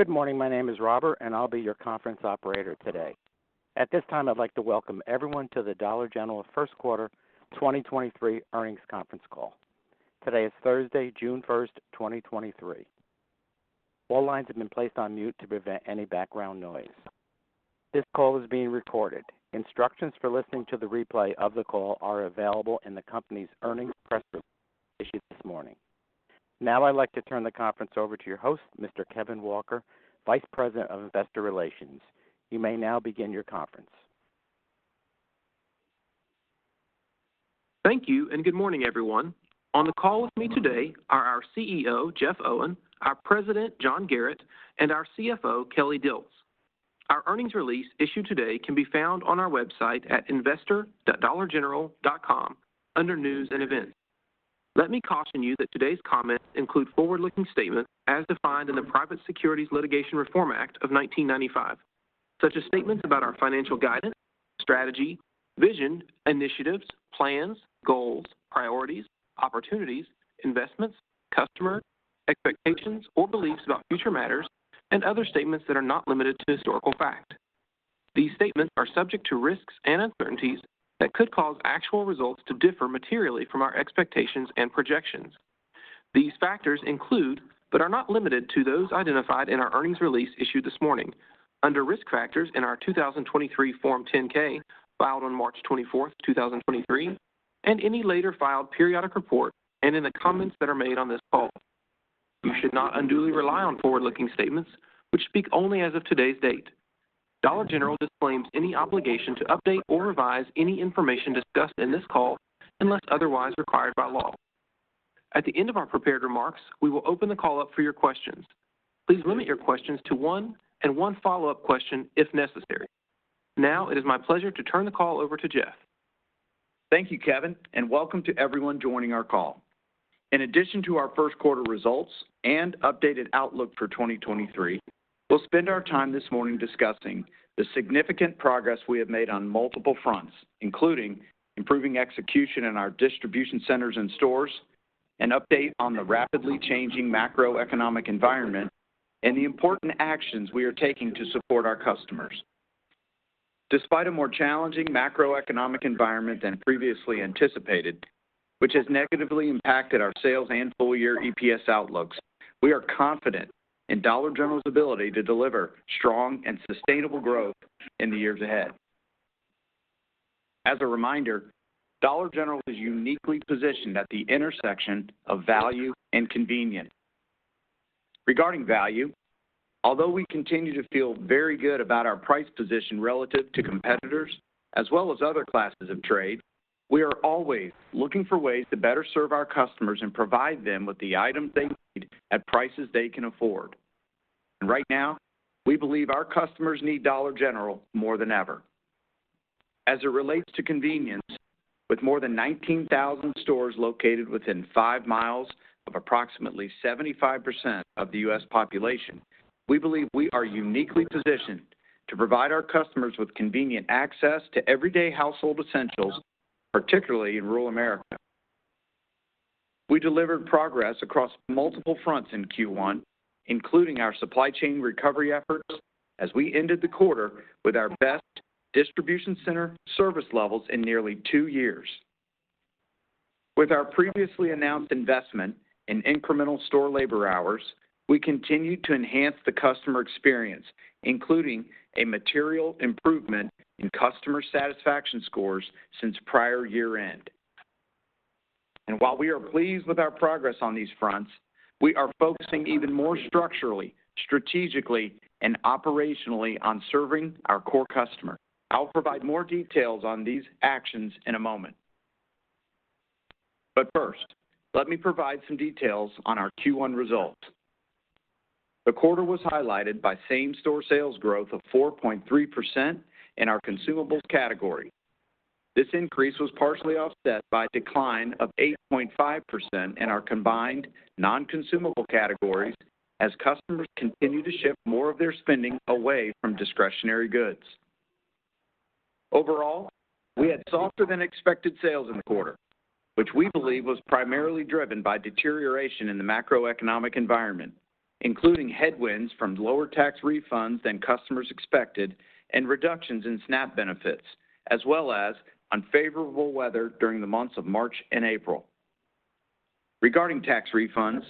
Good morning. My name is Robert, and I'll be your conference operator today. At this time, I'd like to welcome everyone to the Dollar General First Quarter 2023 Earnings Conference Call. Today is Thursday, June 1st, 2023. All lines have been placed on mute to prevent any background noise. This call is being recorded. Instructions for listening to the replay of the call are available in the company's earnings press release issued this morning. Now I'd like to turn the conference over to your host, Mr. Kevin Walker, Vice President of Investor Relations. You may now begin your conference. Thank you. Good morning, everyone. On the call with me today are our CEO, Jeff Owen; our President, John Garratt; and our CFO, Kelly Dilts. Our earnings release issued today can be found on our website at investor.dollargeneral.com under News and Events. Let me caution you that today's comments include forward-looking statements as defined in the Private Securities Litigation Reform Act of 1995, such as statements about our financial guidance, strategy, vision, initiatives, plans, goals, priorities, opportunities, investments, customer, expectations or beliefs about future matters, and other statements that are not limited to historical fact. These statements are subject to risks and uncertainties that could cause actual results to differ materially from our expectations and projections. These factors include, but are not limited to, those identified in our earnings release issued this morning under Risk Factors in our 2023 Form 10-K, filed on March 24th, 2023, and any later filed periodic report, and in the comments that are made on this call. You should not unduly rely on forward-looking statements which speak only as of today's date. Dollar General disclaims any obligation to update or revise any information discussed in this call unless otherwise required by law. At the end of our prepared remarks, we will open the call up for your questions. Please limit your questions to one and one follow-up question if necessary. Now it is my pleasure to turn the call over to Jeff. Thank you, Kevin. Welcome to everyone joining our call. In addition to our first quarter results and updated outlook for 2023, we'll spend our time this morning discussing the significant progress we have made on multiple fronts, including improving execution in our distribution centers and stores, an update on the rapidly changing macroeconomic environment, and the important actions we are taking to support our customers. Despite a more challenging macroeconomic environment than previously anticipated, which has negatively impacted our sales and full-year EPS outlooks, we are confident in Dollar General's ability to deliver strong and sustainable growth in the years ahead. As a reminder, Dollar General is uniquely positioned at the intersection of value and convenience. Regarding value, although we continue to feel very good about our price position relative to competitors as well as other classes of trade, we are always looking for ways to better serve our customers and provide them with the items they need at prices they can afford. Right now, we believe our customers need Dollar General more than ever. As it relates to convenience, with more than 19,000 stores located within 5 mi of approximately 75% of the U.S. population, we believe we are uniquely positioned to provide our customers with convenient access to everyday household essentials, particularly in rural America. We delivered progress across multiple fronts in Q1, including our supply chain recovery efforts as we ended the quarter with our best distribution center service levels in nearly two years. With our previously announced investment in incremental store labor hours, we continued to enhance the customer experience, including a material improvement in customer satisfaction scores since prior year-end. While we are pleased with our progress on these fronts, we are focusing even more structurally, strategically, and operationally on serving our core customer. I'll provide more details on these actions in a moment. First, let me provide some details on our Q1 results. The quarter was highlighted by same-store sales growth of 4.3% in our consumables category. This increase was partially offset by a decline of 8.5% in our combined non-consumable categories as customers continued to shift more of their spending away from discretionary goods. Overall, we had softer than expected sales in the quarter, which we believe was primarily driven by deterioration in the macroeconomic environment, including headwinds from lower tax refunds than customers expected and reductions in SNAP benefits, as well as unfavorable weather during the months of March and April. Regarding tax refunds,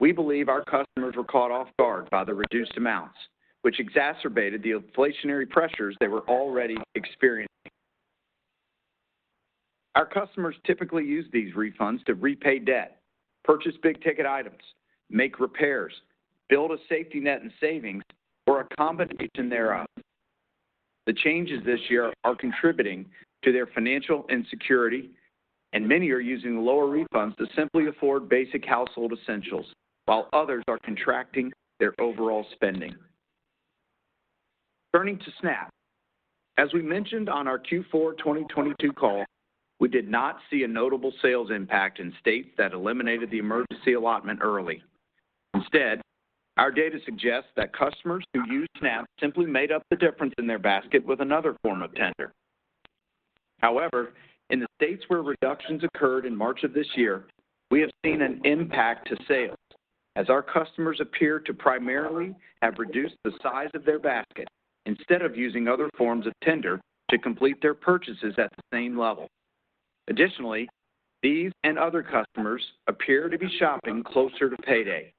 we believe our customers were caught off guard by the reduced amounts, which exacerbated the inflationary pressures they were already experiencing. Our customers typically use these refunds to repay debt, purchase big-ticket items, make repairs, build a safety net in savings, or a combination thereof. The changes this year are contributing to their financial insecurity, and many are using the lower refunds to simply afford basic household essentials, while others are contracting their overall spending. Turning to SNAP. As we mentioned on our Q4 2022 call, we did not see a notable sales impact in states that eliminated the emergency allotment early. Our data suggests that customers who use SNAP simply made up the difference in their basket with another form of tender. In the states where reductions occurred in March of this year, we have seen an impact to sales as our customers appear to primarily have reduced the size of their basket instead of using other forms of tender to complete their purchases at the same level. These and other customers appear to be shopping closer to payday.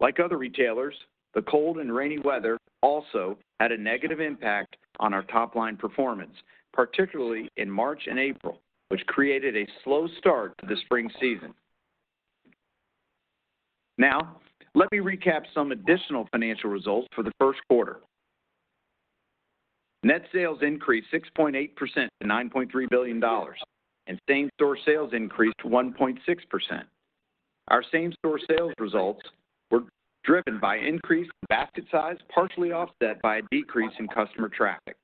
Like other retailers, the cold and rainy weather also had a negative impact on our top-line performance, particularly in March and April, which created a slow start to the spring season. Let me recap some additional financial results for the first quarter. Net sales increased 6.8% to $9.3 billion, and same-store sales increased 1.6%. Our same-store sales results were driven by increased basket size, partially offset by a decrease in customer traffic.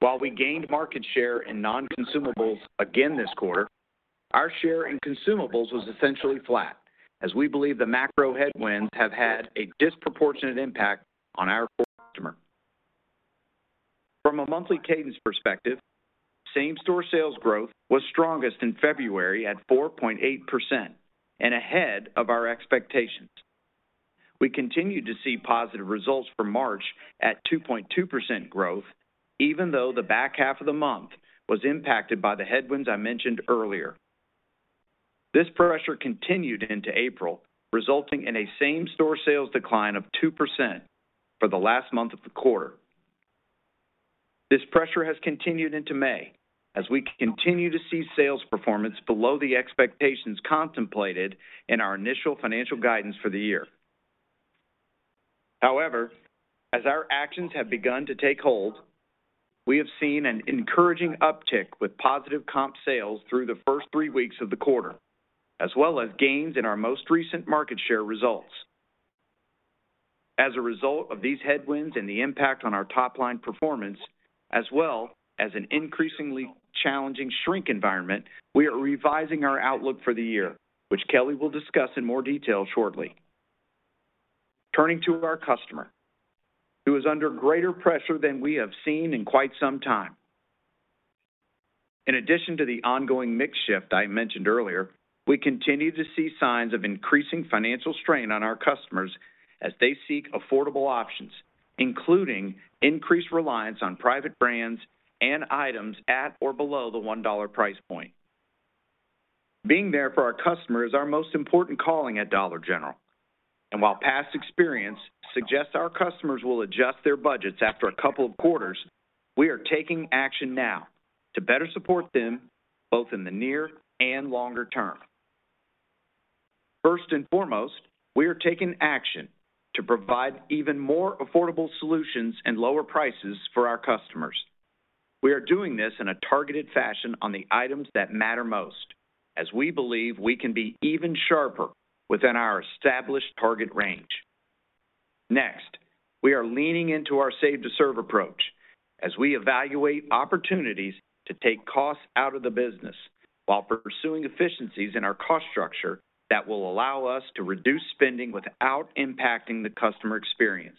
While we gained market share in non-consumables again this quarter, our share in consumables was essentially flat, as we believe the macro headwinds have had a disproportionate impact on our customer. From a monthly cadence perspective, same-store sales growth was strongest in February at 4.8% and ahead of our expectations. We continued to see positive results for March at 2.2% growth, even though the back half of the month was impacted by the headwinds I mentioned earlier. This pressure continued into April, resulting in a same-store sales decline of 2% for the last month of the quarter. This pressure has continued into May as we continue to see sales performance below the expectations contemplated in our initial financial guidance for the year. However, as our actions have begun to take hold, we have seen an encouraging uptick with positive comp sales through the first three weeks of the quarter, as well as gains in our most recent market share results. As a result of these headwinds and the impact on our top-line performance, as well as an increasingly challenging shrink environment, we are revising our outlook for the year, which Kelly will discuss in more detail shortly. Turning to our customer, who is under greater pressure than we have seen in quite some time. In addition to the ongoing mix shift I mentioned earlier, we continue to see signs of increasing financial strain on our customers as they seek affordable options, including increased reliance on private brands and items at or below the $1 price point. Being there for our customer is our most important calling at Dollar General, and while past experience suggests our customers will adjust their budgets after a couple of quarters, we are taking action now to better support them, both in the near and longer term. First and foremost, we are taking action to provide even more affordable solutions and lower prices for our customers. We are doing this in a targeted fashion on the items that matter most as we believe we can be even sharper within our established target range. Next, we are leaning into our Save to Serve approach as we evaluate opportunities to take costs out of the business while pursuing efficiencies in our cost structure that will allow us to reduce spending without impacting the customer experience.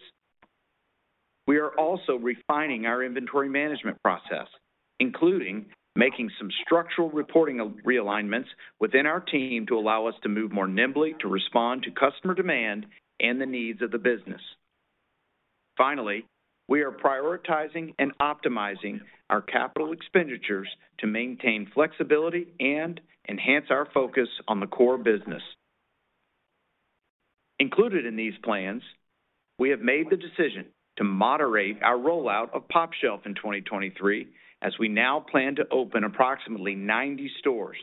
We are also refining our inventory management process, including making some structural reporting realignments within our team to allow us to move more nimbly to respond to customer demand and the needs of the business. Finally, we are prioritizing and optimizing our capital expenditures to maintain flexibility and enhance our focus on the core business. Included in these plans, we have made the decision to moderate our rollout of pOpshelf in 2023, as we now plan to open approximately 90 stores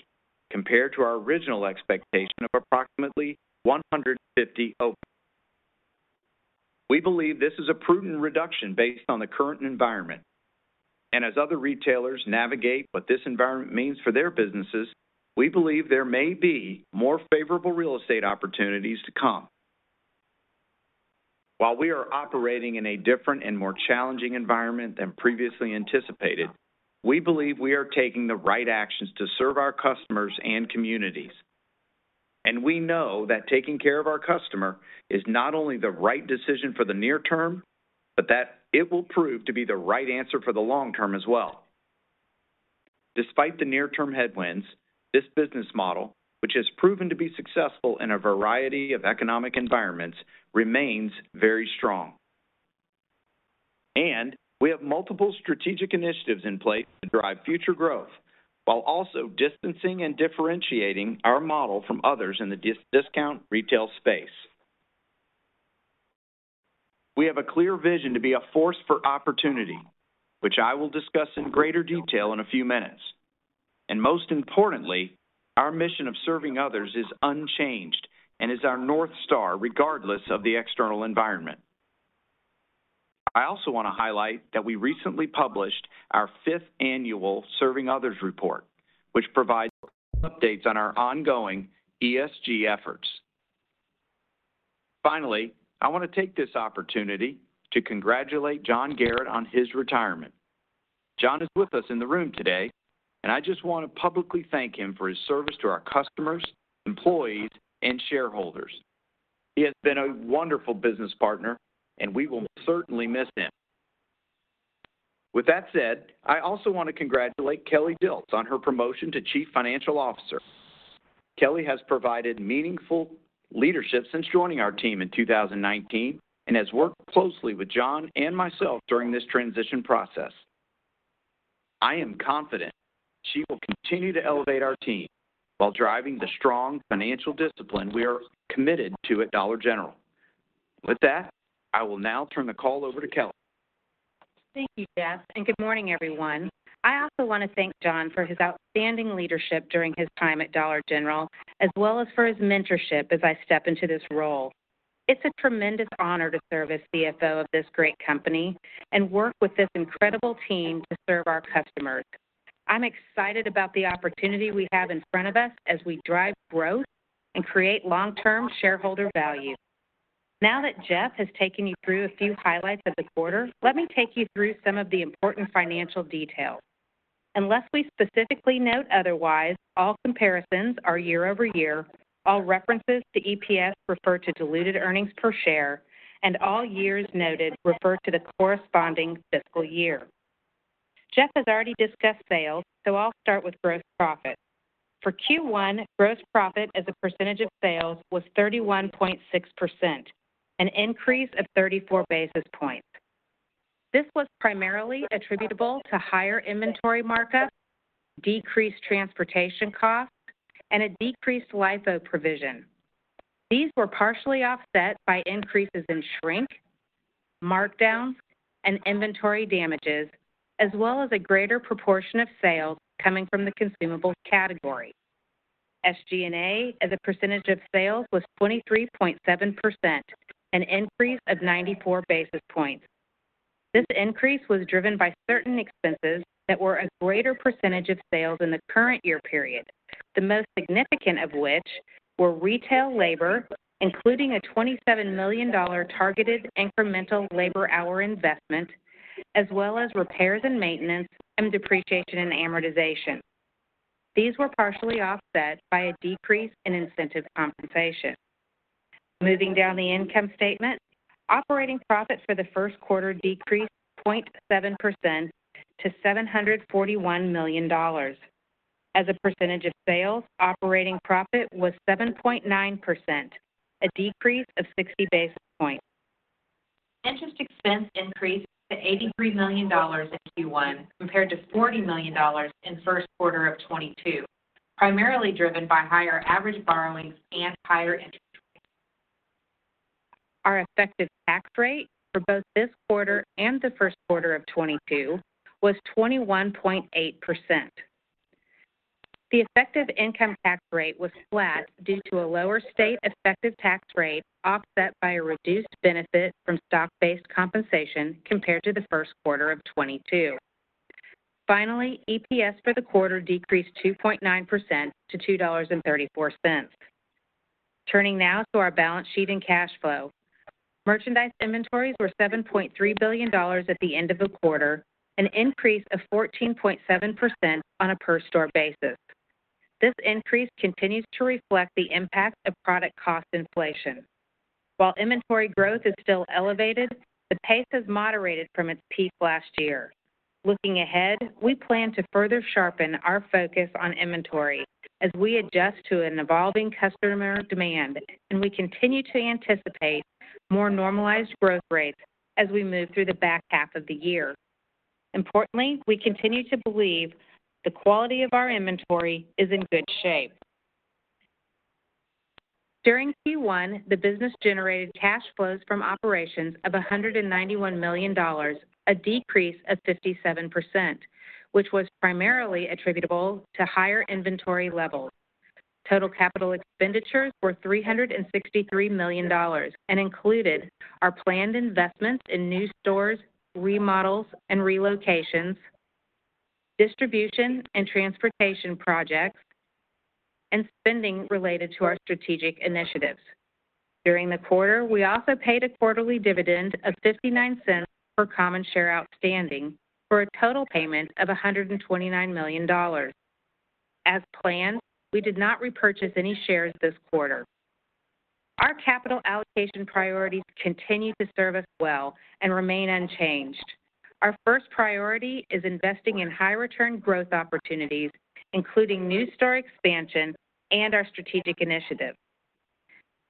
compared to our original expectation of approximately 150 openings. We believe this is a prudent reduction based on the current environment, and as other retailers navigate what this environment means for their businesses, we believe there may be more favorable real estate opportunities to come. While we are operating in a different and more challenging environment than previously anticipated, we believe we are taking the right actions to serve our customers and communities. We know that taking care of our customer is not only the right decision for the near term, but that it will prove to be the right answer for the long term as well. Despite the near-term headwinds, this business model, which has proven to be successful in a variety of economic environments, remains very strong. We have multiple strategic initiatives in place to drive future growth while also distancing and differentiating our model from others in the discount retail space. We have a clear vision to be a force for opportunity, which I will discuss in greater detail in a few minutes. Most importantly, our mission of Serving Others is unchanged and is our North Star, regardless of the external environment. I also want to highlight that we recently published our fifth annual Serving Others report, which provides updates on our ongoing ESG efforts. Finally, I want to take this opportunity to congratulate John Garratt on his retirement. John is with us in the room today, and I just want to publicly thank him for his service to our customers, employees, and shareholders. He has been a wonderful business partner, and we will certainly miss him. With that said, I also want to congratulate Kelly Dilts on her promotion to Chief Financial Officer. Kelly has provided meaningful leadership since joining our team in 2019, and has worked closely with John and myself during this transition process. I am confident she will continue to elevate our team while driving the strong financial discipline we are committed to at Dollar General. I will now turn the call over to Kelly. Thank you, Jeff. Good morning, everyone. I also want to thank John for his outstanding leadership during his time at Dollar General, as well as for his mentorship as I step into this role. It's a tremendous honor to serve as CFO of this great company and work with this incredible team to serve our customers. I'm excited about the opportunity we have in front of us as we drive growth and create long-term shareholder value. Now that Jeff has taken you through a few highlights of the quarter, let me take you through some of the important financial details. Unless we specifically note otherwise, all comparisons are year-over-year, all references to EPS refer to diluted earnings per share. All years noted refer to the corresponding fiscal year. Jeff has already discussed sales. I'll start with gross profit. For Q1, gross profit as a percentage of sales was 31.6%, an increase of 34 basis points. This was primarily attributable to higher inventory markup, decreased transportation costs, and a decreased LIFO provision. These were partially offset by increases in shrink, markdowns, and inventory damages, as well as a greater proportion of sales coming from the consumables category. SG&A, as a percentage of sales, was 23.7%, an increase of 94 basis points. This increase was driven by certain expenses that were a greater percentage of sales in the current year period, the most significant of which were retail labor, including a $27 million targeted incremental labor hour investment, as well as repairs and maintenance, and depreciation and amortization. These were partially offset by a decrease in incentive compensation. Moving down the income statement, operating profit for the first quarter decreased 0.7% to $741 million. As a percentage of sales, operating profit was 7.9%, a decrease of 60 basis points. Interest expense increased to $83 million in Q1, compared to $40 million in first quarter of 2022, primarily driven by higher average borrowings and higher interest rates. Our effective tax rate for both this quarter and the first quarter of 2022 was 21.8%. The effective income tax rate was flat due to a lower state effective tax rate, offset by a reduced benefit from stock-based compensation compared to the first quarter of 2022. Finally, EPS for the quarter decreased 2.9% to $2.34. Turning now to our balance sheet and cash flow. Merchandise inventories were $7.3 billion at the end of the quarter, an increase of 14.7% on a per store basis. This increase continues to reflect the impact of product cost inflation. While inventory growth is still elevated, the pace has moderated from its peak last year. Looking ahead, we plan to further sharpen our focus on inventory as we adjust to an evolving customer demand, and we continue to anticipate more normalized growth rates as we move through the back half of the year. Importantly, we continue to believe the quality of our inventory is in good shape. During Q1, the business generated cash flows from operations of $191 million, a decrease of 57%, which was primarily attributable to higher inventory levels. Total capital expenditures were $363 million and included our planned investments in new stores, remodels and relocations, distribution and transportation projects, and spending related to our strategic initiatives. During the quarter, we also paid a quarterly dividend of $0.59 per common share outstanding for a total payment of $129 million. As planned, we did not repurchase any shares this quarter. Our capital allocation priorities continue to serve us well and remain unchanged. Our first priority is investing in high-return growth opportunities, including new store expansion and our strategic initiatives.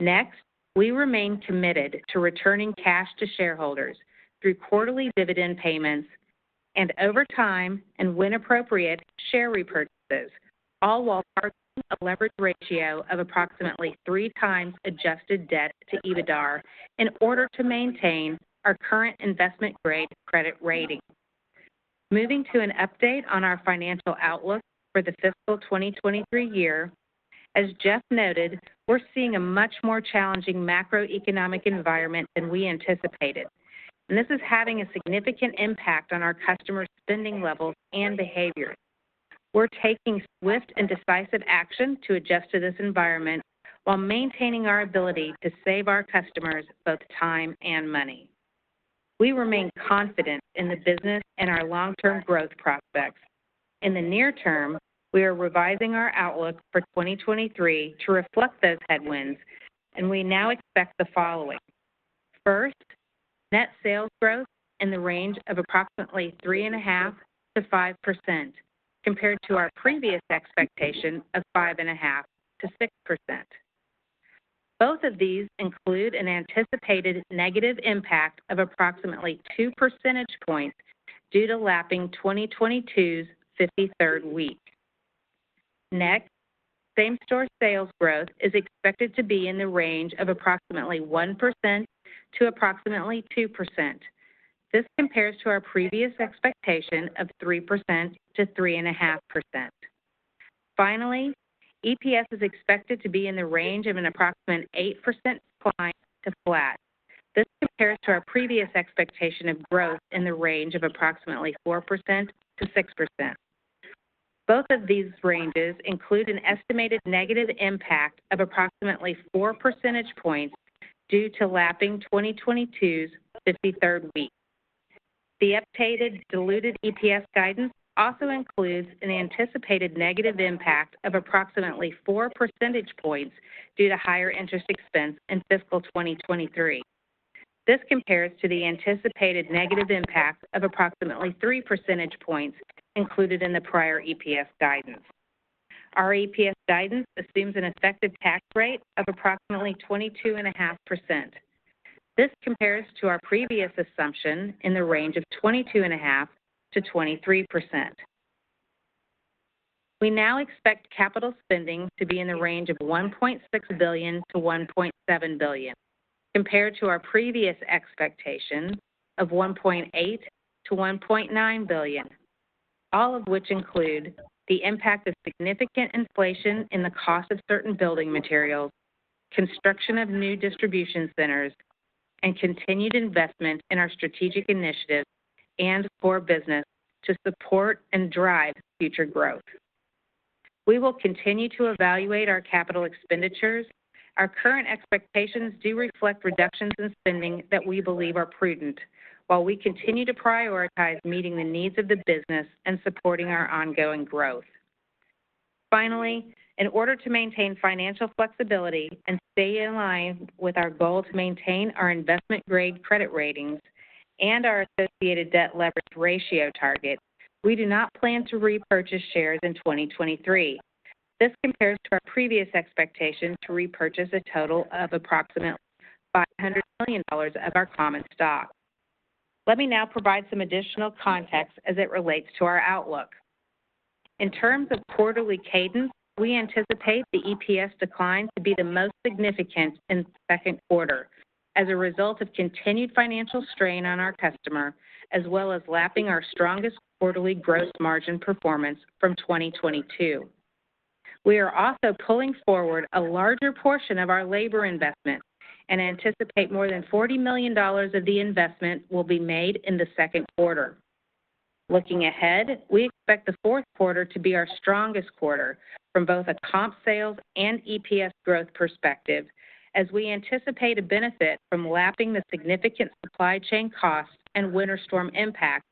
Next, we remain committed to returning cash to shareholders through quarterly dividend payments and over time, and when appropriate, share repurchases, all while targeting a leverage ratio of approximately 3x adjusted debt to EBITDAR in order to maintain our current investment-grade credit rating. Moving to an update on our financial outlook for the fiscal 2023 year, as Jeff noted, we're seeing a much more challenging macroeconomic environment than we anticipated, and this is having a significant impact on our customers spending levels and behavior. We're taking swift and decisive action to adjust to this environment while maintaining our ability to save our customers both time and money. We remain confident in the business and our long-term growth prospects. In the near term, we are revising our outlook for 2023 to reflect those headwinds. We now expect the following. First, net sales growth in the range of approximately 3.5%-5%, compared to our previous expectation of 5.5%-6%. Both of these include an anticipated negative impact of approximately 2 percentage points due to lapping 2022's 53rd week. Same-store sales growth is expected to be in the range of approximately 1%-2%. This compares to our previous expectation of 3%-3.5%. EPS is expected to be in the range of an approximate 8% decline to flat. This compares to our previous expectation of growth in the range of approximately 4%-6%. Both of these ranges include an estimated negative impact of approximately 4 percentage points due to lapping 2022's 53rd week. The updated diluted EPS guidance also includes an anticipated negative impact of approximately 4 percentage points due to higher interest expense in fiscal 2023. This compares to the anticipated negative impact of approximately 3 percentage points included in the prior EPS guidance. Our EPS guidance assumes an effective tax rate of approximately 22.5%. This compares to our previous assumption in the range of 22.5%-23%. We now expect capital spending to be in the range of $1.6 billion-$1.7 billion, compared to our previous expectation of $1.8 billion-$1.9 billion, all of which include the impact of significant inflation in the cost of certain building materials, construction of new distribution centers, and continued investment in our strategic initiatives and core business to support and drive future growth. We will continue to evaluate our capital expenditures. Our current expectations do reflect reductions in spending that we believe are prudent, while we continue to prioritize meeting the needs of the business and supporting our ongoing growth. In order to maintain financial flexibility and stay in line with our goal to maintain our investment-grade credit ratings and our associated debt leverage ratio target, we do not plan to repurchase shares in 2023. This compares to our previous expectation to repurchase a total of approximately $500 million of our common stock. Let me now provide some additional context as it relates to our outlook. In terms of quarterly cadence, we anticipate the EPS decline to be the most significant in the second quarter as a result of continued financial strain on our customer, as well as lapping our strongest quarterly gross margin performance from 2022. We are also pulling forward a larger portion of our labor investment and anticipate more than $40 million of the investment will be made in the second quarter. Looking ahead, we expect the fourth quarter to be our strongest quarter from both a comp sales and EPS growth perspective, as we anticipate a benefit from lapping the significant supply chain costs and winter storm impacts,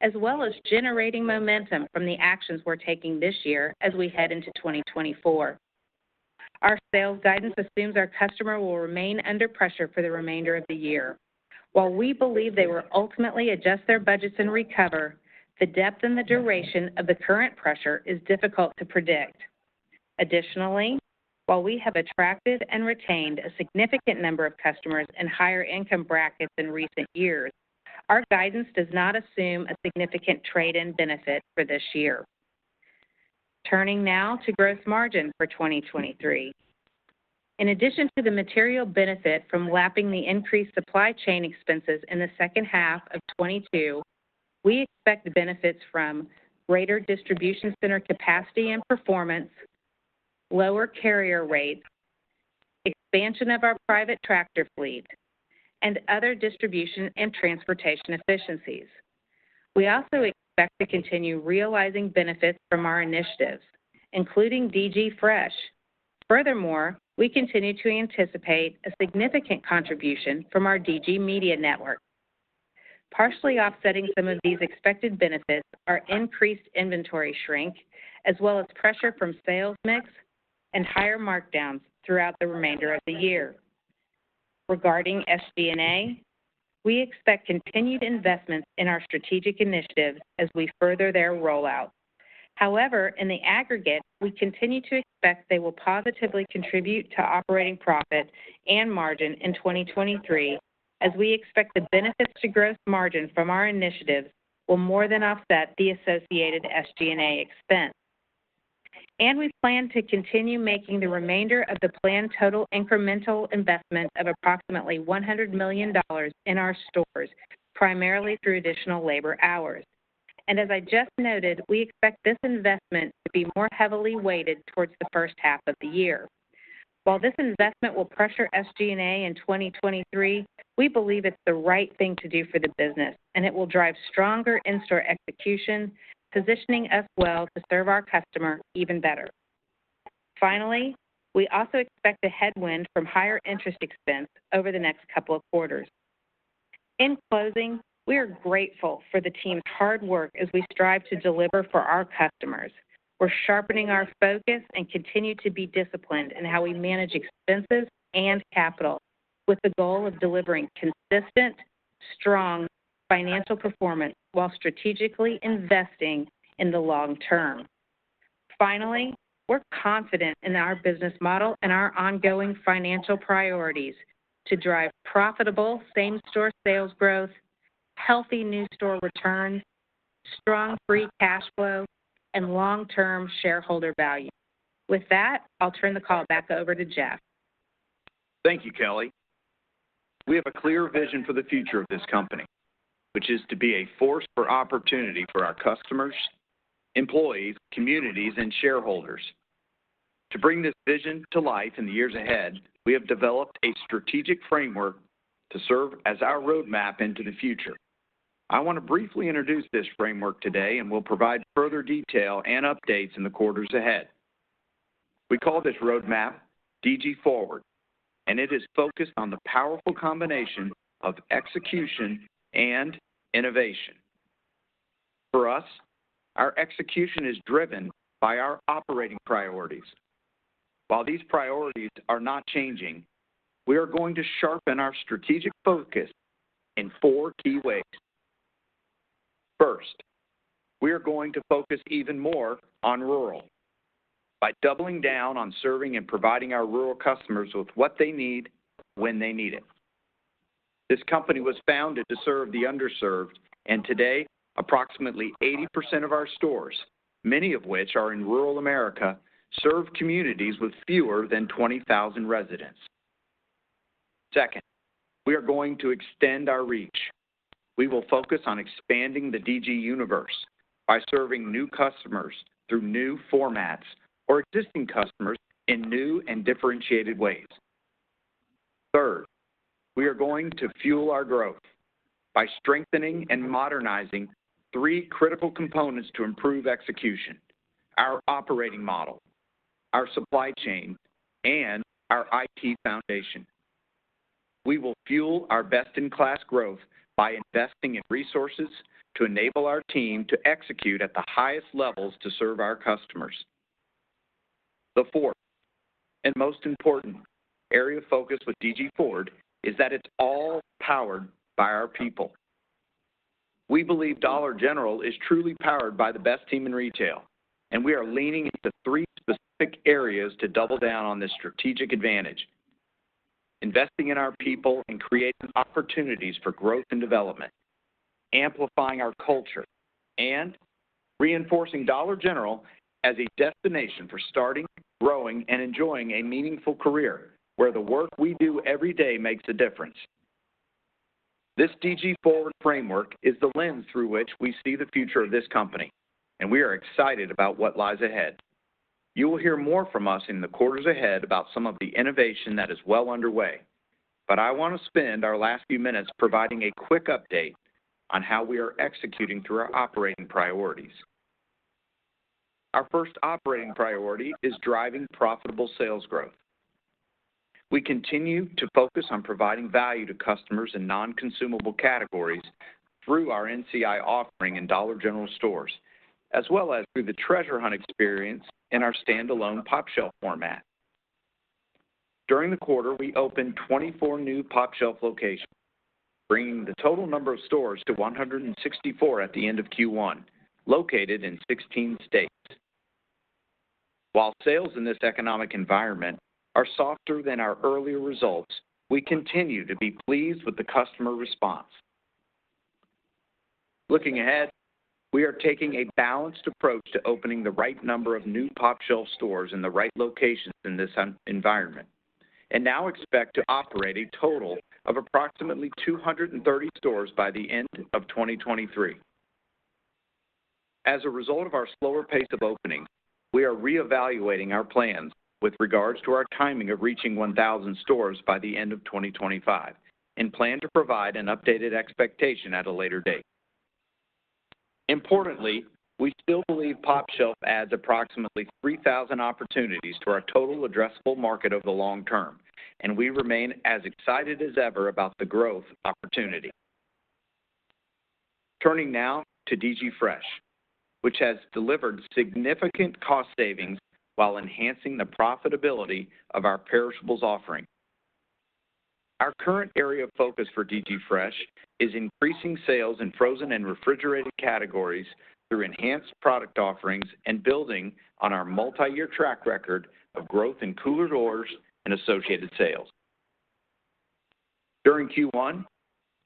as well as generating momentum from the actions we're taking this year as we head into 2024. Our sales guidance assumes our customer will remain under pressure for the remainder of the year. While we believe they will ultimately adjust their budgets and recover, the depth and the duration of the current pressure is difficult to predict. While we have attracted and retained a significant number of customers in higher income brackets in recent years, our guidance does not assume a significant trade-in benefit for this year. Turning now to gross margin for 2023. In addition to the material benefit from lapping the increased supply chain expenses in the second half of 2022, we expect benefits from greater distribution center capacity and performance, lower carrier rates, expansion of our private tractor fleet, and other distribution and transportation efficiencies. We also expect to continue realizing benefits from our initiatives, including DG Fresh. We continue to anticipate a significant contribution from our DG Media Network. Partially offsetting some of these expected benefits are increased inventory shrink, as well as pressure from sales mix and higher markdowns throughout the remainder of the year. Regarding SG&A, we expect continued investments in our strategic initiatives as we further their rollout. However, in the aggregate, we continue to expect they will positively contribute to operating profit and margin in 2023, as we expect the benefits to gross margin from our initiatives will more than offset the associated SG&A expense. We plan to continue making the remainder of the planned total incremental investment of approximately $100 million in our stores, primarily through additional labor hours. As I just noted, we expect this investment to be more heavily weighted towards the first half of the year. While this investment will pressure SG&A in 2023, we believe it's the right thing to do for the business, and it will drive stronger in-store execution, positioning us well to serve our customer even better. Finally, we also expect a headwind from higher interest expense over the next couple of quarters. In closing, we are grateful for the team's hard work as we strive to deliver for our customers. We're sharpening our focus and continue to be disciplined in how we manage expenses and capital, with the goal of delivering consistent, strong financial performance while strategically investing in the long term. We're confident in our business model and our ongoing financial priorities to drive profitable same-store sales growth, healthy new store return, strong free cash flow, and long-term shareholder value. With that, I'll turn the call back over to Jeff. Thank you, Kelly. We have a clear vision for the future of this company, which is to be a force for opportunity for our customers, employees, communities, and shareholders. To bring this vision to life in the years ahead, we have developed a strategic framework to serve as our roadmap into the future. I want to briefly introduce this framework today, and we'll provide further detail and updates in the quarters ahead. We call this roadmap DG Forward, and it is focused on the powerful combination of execution and innovation. For us, our execution is driven by our operating priorities. While these priorities are not changing, we are going to sharpen our strategic focus in four key ways. First, we are going to focus even more on rural by doubling down on serving and providing our rural customers with what they need, when they need it. This company was founded to serve the underserved, and today, approximately 80% of our stores, many of which are in rural America, serve communities with fewer than 20,000 residents. Second, we are going to extend our reach. We will focus on expanding the DG universe by serving new customers through new formats or existing customers in new and differentiated ways. Third, we are going to fuel our growth by strengthening and modernizing three critical components to improve execution: our operating model, our supply chain, and our IT foundation. We will fuel our best-in-class growth by investing in resources to enable our team to execute at the highest levels to serve our customers. The fourth and most important area of focus with DG Forward is that it's all powered by our people. We believe Dollar General is truly powered by the best team in retail, and we are leaning into three specific areas to double down on this strategic advantage: investing in our people and creating opportunities for growth and development, amplifying our culture, and reinforcing Dollar General as a destination for starting, growing, and enjoying a meaningful career where the work we do every day makes a difference. This DG Forward framework is the lens through which we see the future of this company, and we are excited about what lies ahead. You will hear more from us in the quarters ahead about some of the innovation that is well underway, but I want to spend our last few minutes providing a quick update on how we are executing through our operating priorities. Our first operating priority is driving profitable sales growth. We continue to focus on providing value to customers in non-consumable categories through our NCI offering in Dollar General stores, as well as through the Treasure Hunt experience in our standalone pOpshelf format. During the quarter, we opened 24 new pOpshelf locations, bringing the total number of stores to 164 at the end of Q1, located in 16 states. While sales in this economic environment are softer than our earlier results, we continue to be pleased with the customer response. Looking ahead, we are taking a balanced approach to opening the right number of new pOpshelf stores in the right locations in this environment, now expect to operate a total of approximately 230 stores by the end of 2023. As a result of our slower pace of openings, we are reevaluating our plans with regards to our timing of reaching 1,000 stores by the end of 2025 and plan to provide an updated expectation at a later date. Importantly, we still believe pOpshelf adds approximately 3,000 opportunities to our total addressable market over the long term, and we remain as excited as ever about the growth opportunity. Turning now to DG Fresh, which has delivered significant cost savings while enhancing the profitability of our perishables offering. Our current area of focus for DG Fresh is increasing sales in frozen and refrigerated categories through enhanced product offerings and building on our multi-year track record of growth in cooler doors and associated sales. During Q1,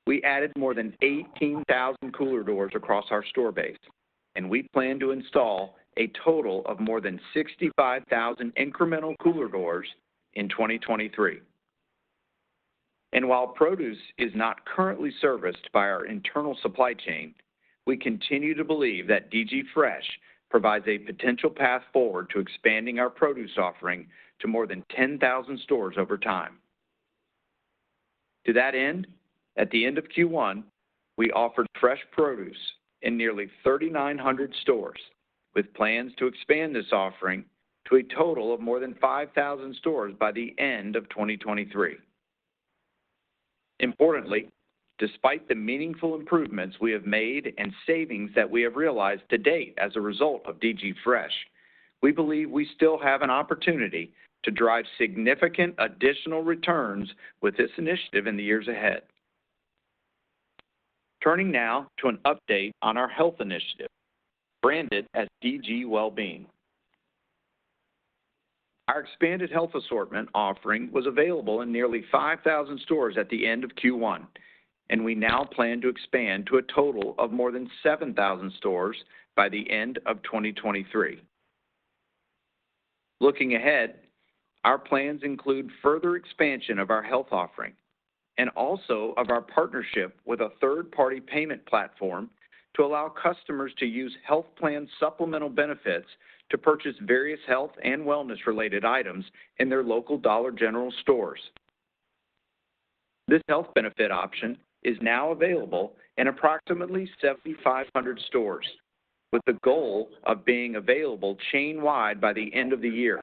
we added more than 18,000 cooler doors across our store base. We plan to install a total of more than 65,000 incremental cooler doors in 2023. While produce is not currently serviced by our internal supply chain, we continue to believe that DG Fresh provides a potential path forward to expanding our produce offering to more than 10,000 stores over time. To that end, at the end of Q1, we offered fresh produce in nearly 3,900 stores, with plans to expand this offering to a total of more than 5,000 stores by the end of 2023. Importantly, despite the meaningful improvements we have made and savings that we have realized to date as a result of DG Fresh, we believe we still have an opportunity to drive significant additional returns with this initiative in the years ahead. Turning now to an update on our health initiative, branded as DG Wellbeing. Our expanded health assortment offering was available in nearly 5,000 stores at the end of Q1, and we now plan to expand to a total of more than 7,000 stores by the end of 2023. Looking ahead, our plans include further expansion of our health offering and also of our partnership with a third-party payment platform to allow customers to use health plan supplemental benefits to purchase various health and wellness-related items in their local Dollar General stores. This health benefit option is now available in approximately 7,500 stores, with the goal of being available chain-wide by the end of the year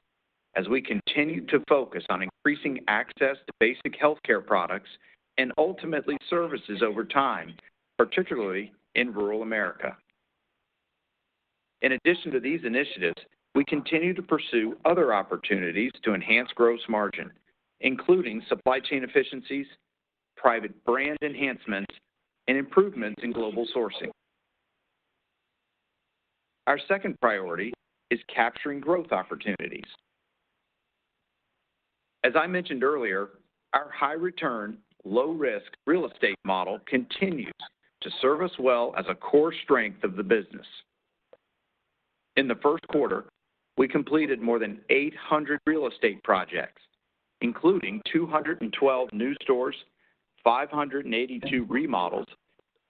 as we continue to focus on increasing access to basic healthcare products and ultimately services over time, particularly in rural America. In addition to these initiatives, we continue to pursue other opportunities to enhance gross margin, including supply chain efficiencies, private brand enhancements, and improvements in global sourcing. Our second priority is capturing growth opportunities. As I mentioned earlier, our high-return, low-risk real estate model continues to serve us well as a core strength of the business. In the first quarter, we completed more than 800 real estate projects, including 212 new stores, 582 remodels,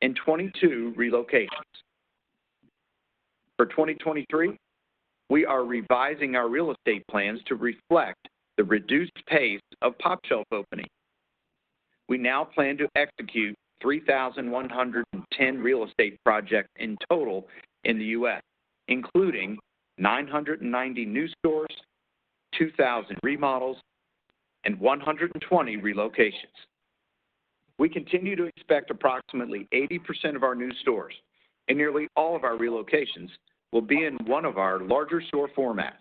and 22 relocations. For 2023, we are revising our real estate plans to reflect the reduced pace of pOpshelf opening. We now plan to execute 3,110 real estate projects in total in the U.S., including 990 new stores, 2,000 remodels, and 120 relocations. We continue to expect approximately 80% of our new stores and nearly all of our relocations will be in one of our larger store formats,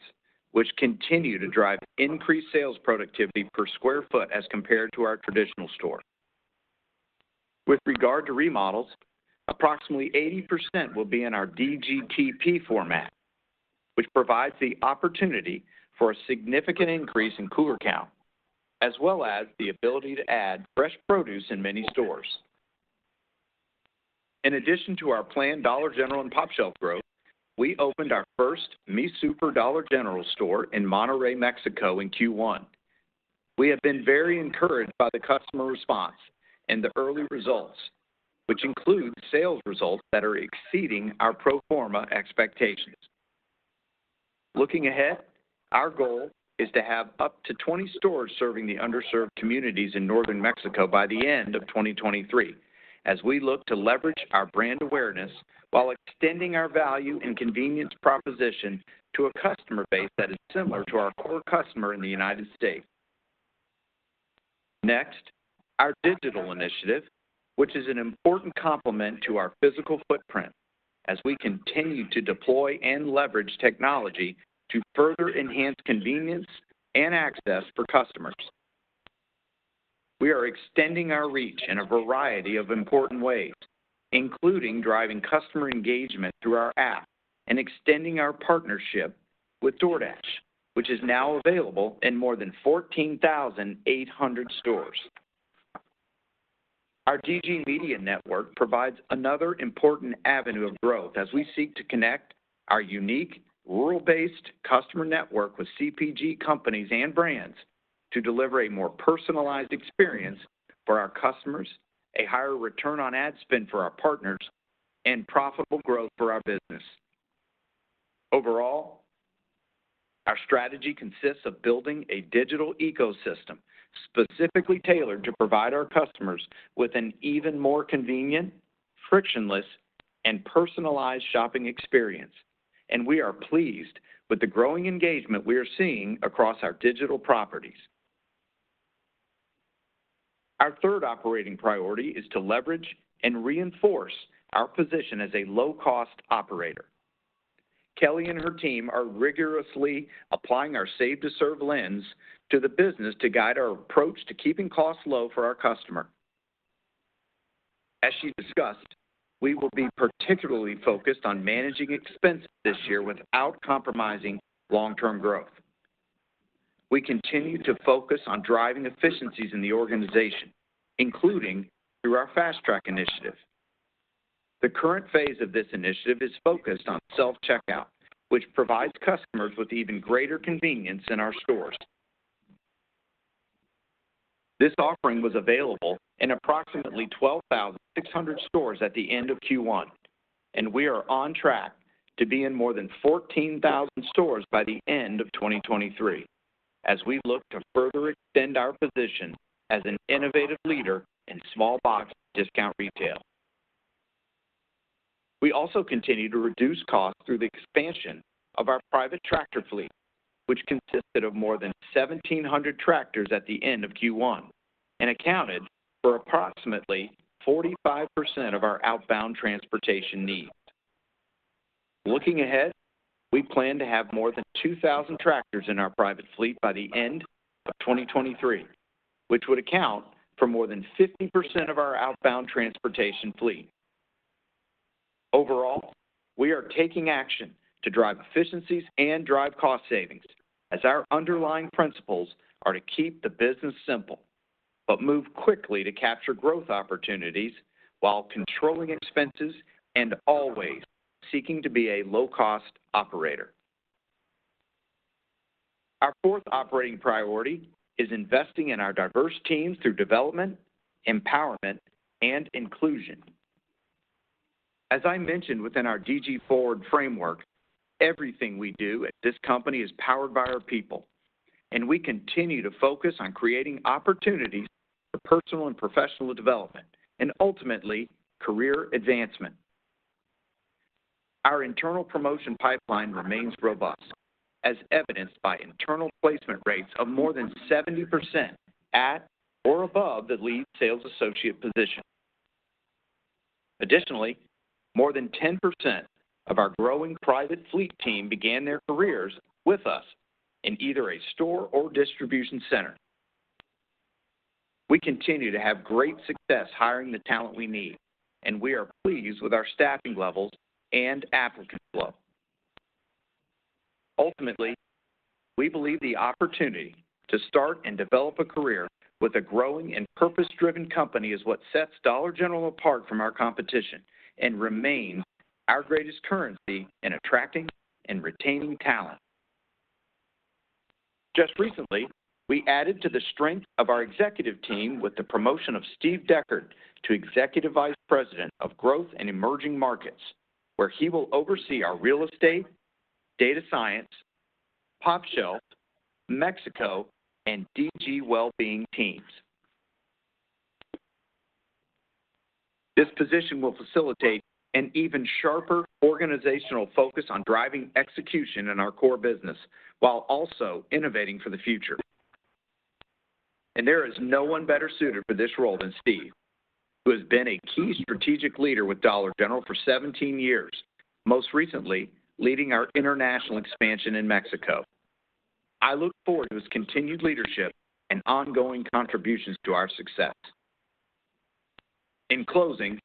which continue to drive increased sales productivity per square foot as compared to our traditional store. With regard to remodels, approximately 80% will be in our DGTP format, which provides the opportunity for a significant increase in cooler count, as well as the ability to add fresh produce in many stores. In addition to our planned Dollar General and pOpshelf growth, we opened our first Mi Súper Dollar General store in Monterrey, Mexico, in Q1. We have been very encouraged by the customer response and the early results, which include sales results that are exceeding our pro forma expectations. Looking ahead, our goal is to have up to 20 stores serving the underserved communities in Northern Mexico by the end of 2023, as we look to leverage our brand awareness while extending our value and convenience proposition to a customer base that is similar to our core customer in the United States. Next, our digital initiative, which is an important complement to our physical footprint as we continue to deploy and leverage technology to further enhance convenience and access for customers. We are extending our reach in a variety of important ways, including driving customer engagement through our app and extending our partnership with DoorDash, which is now available in more than 14,800 stores. Our DG Media Network provides another important avenue of growth as we seek to connect our unique, rural-based customer network with CPG companies and brands to deliver a more personalized experience for our customers, a higher return on ad spend for our partners, and profitable growth for our business. Overall, our strategy consists of building a digital ecosystem specifically tailored to provide our customers with an even more convenient, frictionless, and personalized shopping experience, and we are pleased with the growing engagement we are seeing across our digital properties. Our third operating priority is to leverage and reinforce our position as a low-cost operator. Kelly and her team are rigorously applying our Save to Serve lens to the business to guide our approach to keeping costs low for our customer. As she discussed, we will be particularly focused on managing expenses this year without compromising long-term growth. We continue to focus on driving efficiencies in the organization, including through our Fast Track initiative. The current phase of this initiative is focused on self-checkout, which provides customers with even greater convenience in our stores. This offering was available in approximately 12,600 stores at the end of Q1. We are on track to be in more than 14,000 stores by the end of 2023, as we look to further extend our position as an innovative leader in small box discount retail. We also continue to reduce costs through the expansion of our private tractor fleet, which consisted of more than 1,700 tractors at the end of Q1 and accounted for approximately 45% of our outbound transportation needs. Looking ahead, we plan to have more than 2,000 tractors in our private fleet by the end of 2023, which would account for more than 50% of our outbound transportation fleet. Overall, we are taking action to drive efficiencies and drive cost savings, as our underlying principles are to keep the business simple, but move quickly to capture growth opportunities while controlling expenses and always seeking to be a low-cost operator. Our fourth operating priority is investing in our diverse teams through development, empowerment, and inclusion. As I mentioned within our DG Forward framework, everything we do at this company is powered by our people, and we continue to focus on creating opportunities for personal and professional development and ultimately career advancement. Our internal promotion pipeline remains robust, as evidenced by internal placement rates of more than 70% at or above the lead sales associate position. More than 10% of our growing private fleet team began their careers with us in either a store or distribution center. We continue to have great success hiring the talent we need, and we are pleased with our staffing levels and applicant flow. Ultimately, we believe the opportunity to start and develop a career with a growing and purpose-driven company is what sets Dollar General apart from our competition and remains our greatest currency in attracting and retaining talent. Just recently, we added to the strength of our executive team with the promotion of Steve Deckard to Executive Vice President of Growth and Emerging Markets, where he will oversee our real estate, data science, pOpshelf, Mexico, and DG Wellbeing teams. This position will facilitate an even sharper organizational focus on driving execution in our core business, while also innovating for the future. There is no one better suited for this role than Steve, who has been a key strategic leader with Dollar General for 17 years, most recently leading our international expansion in Mexico. I look forward to his continued leadership and ongoing contributions to our success. In closing,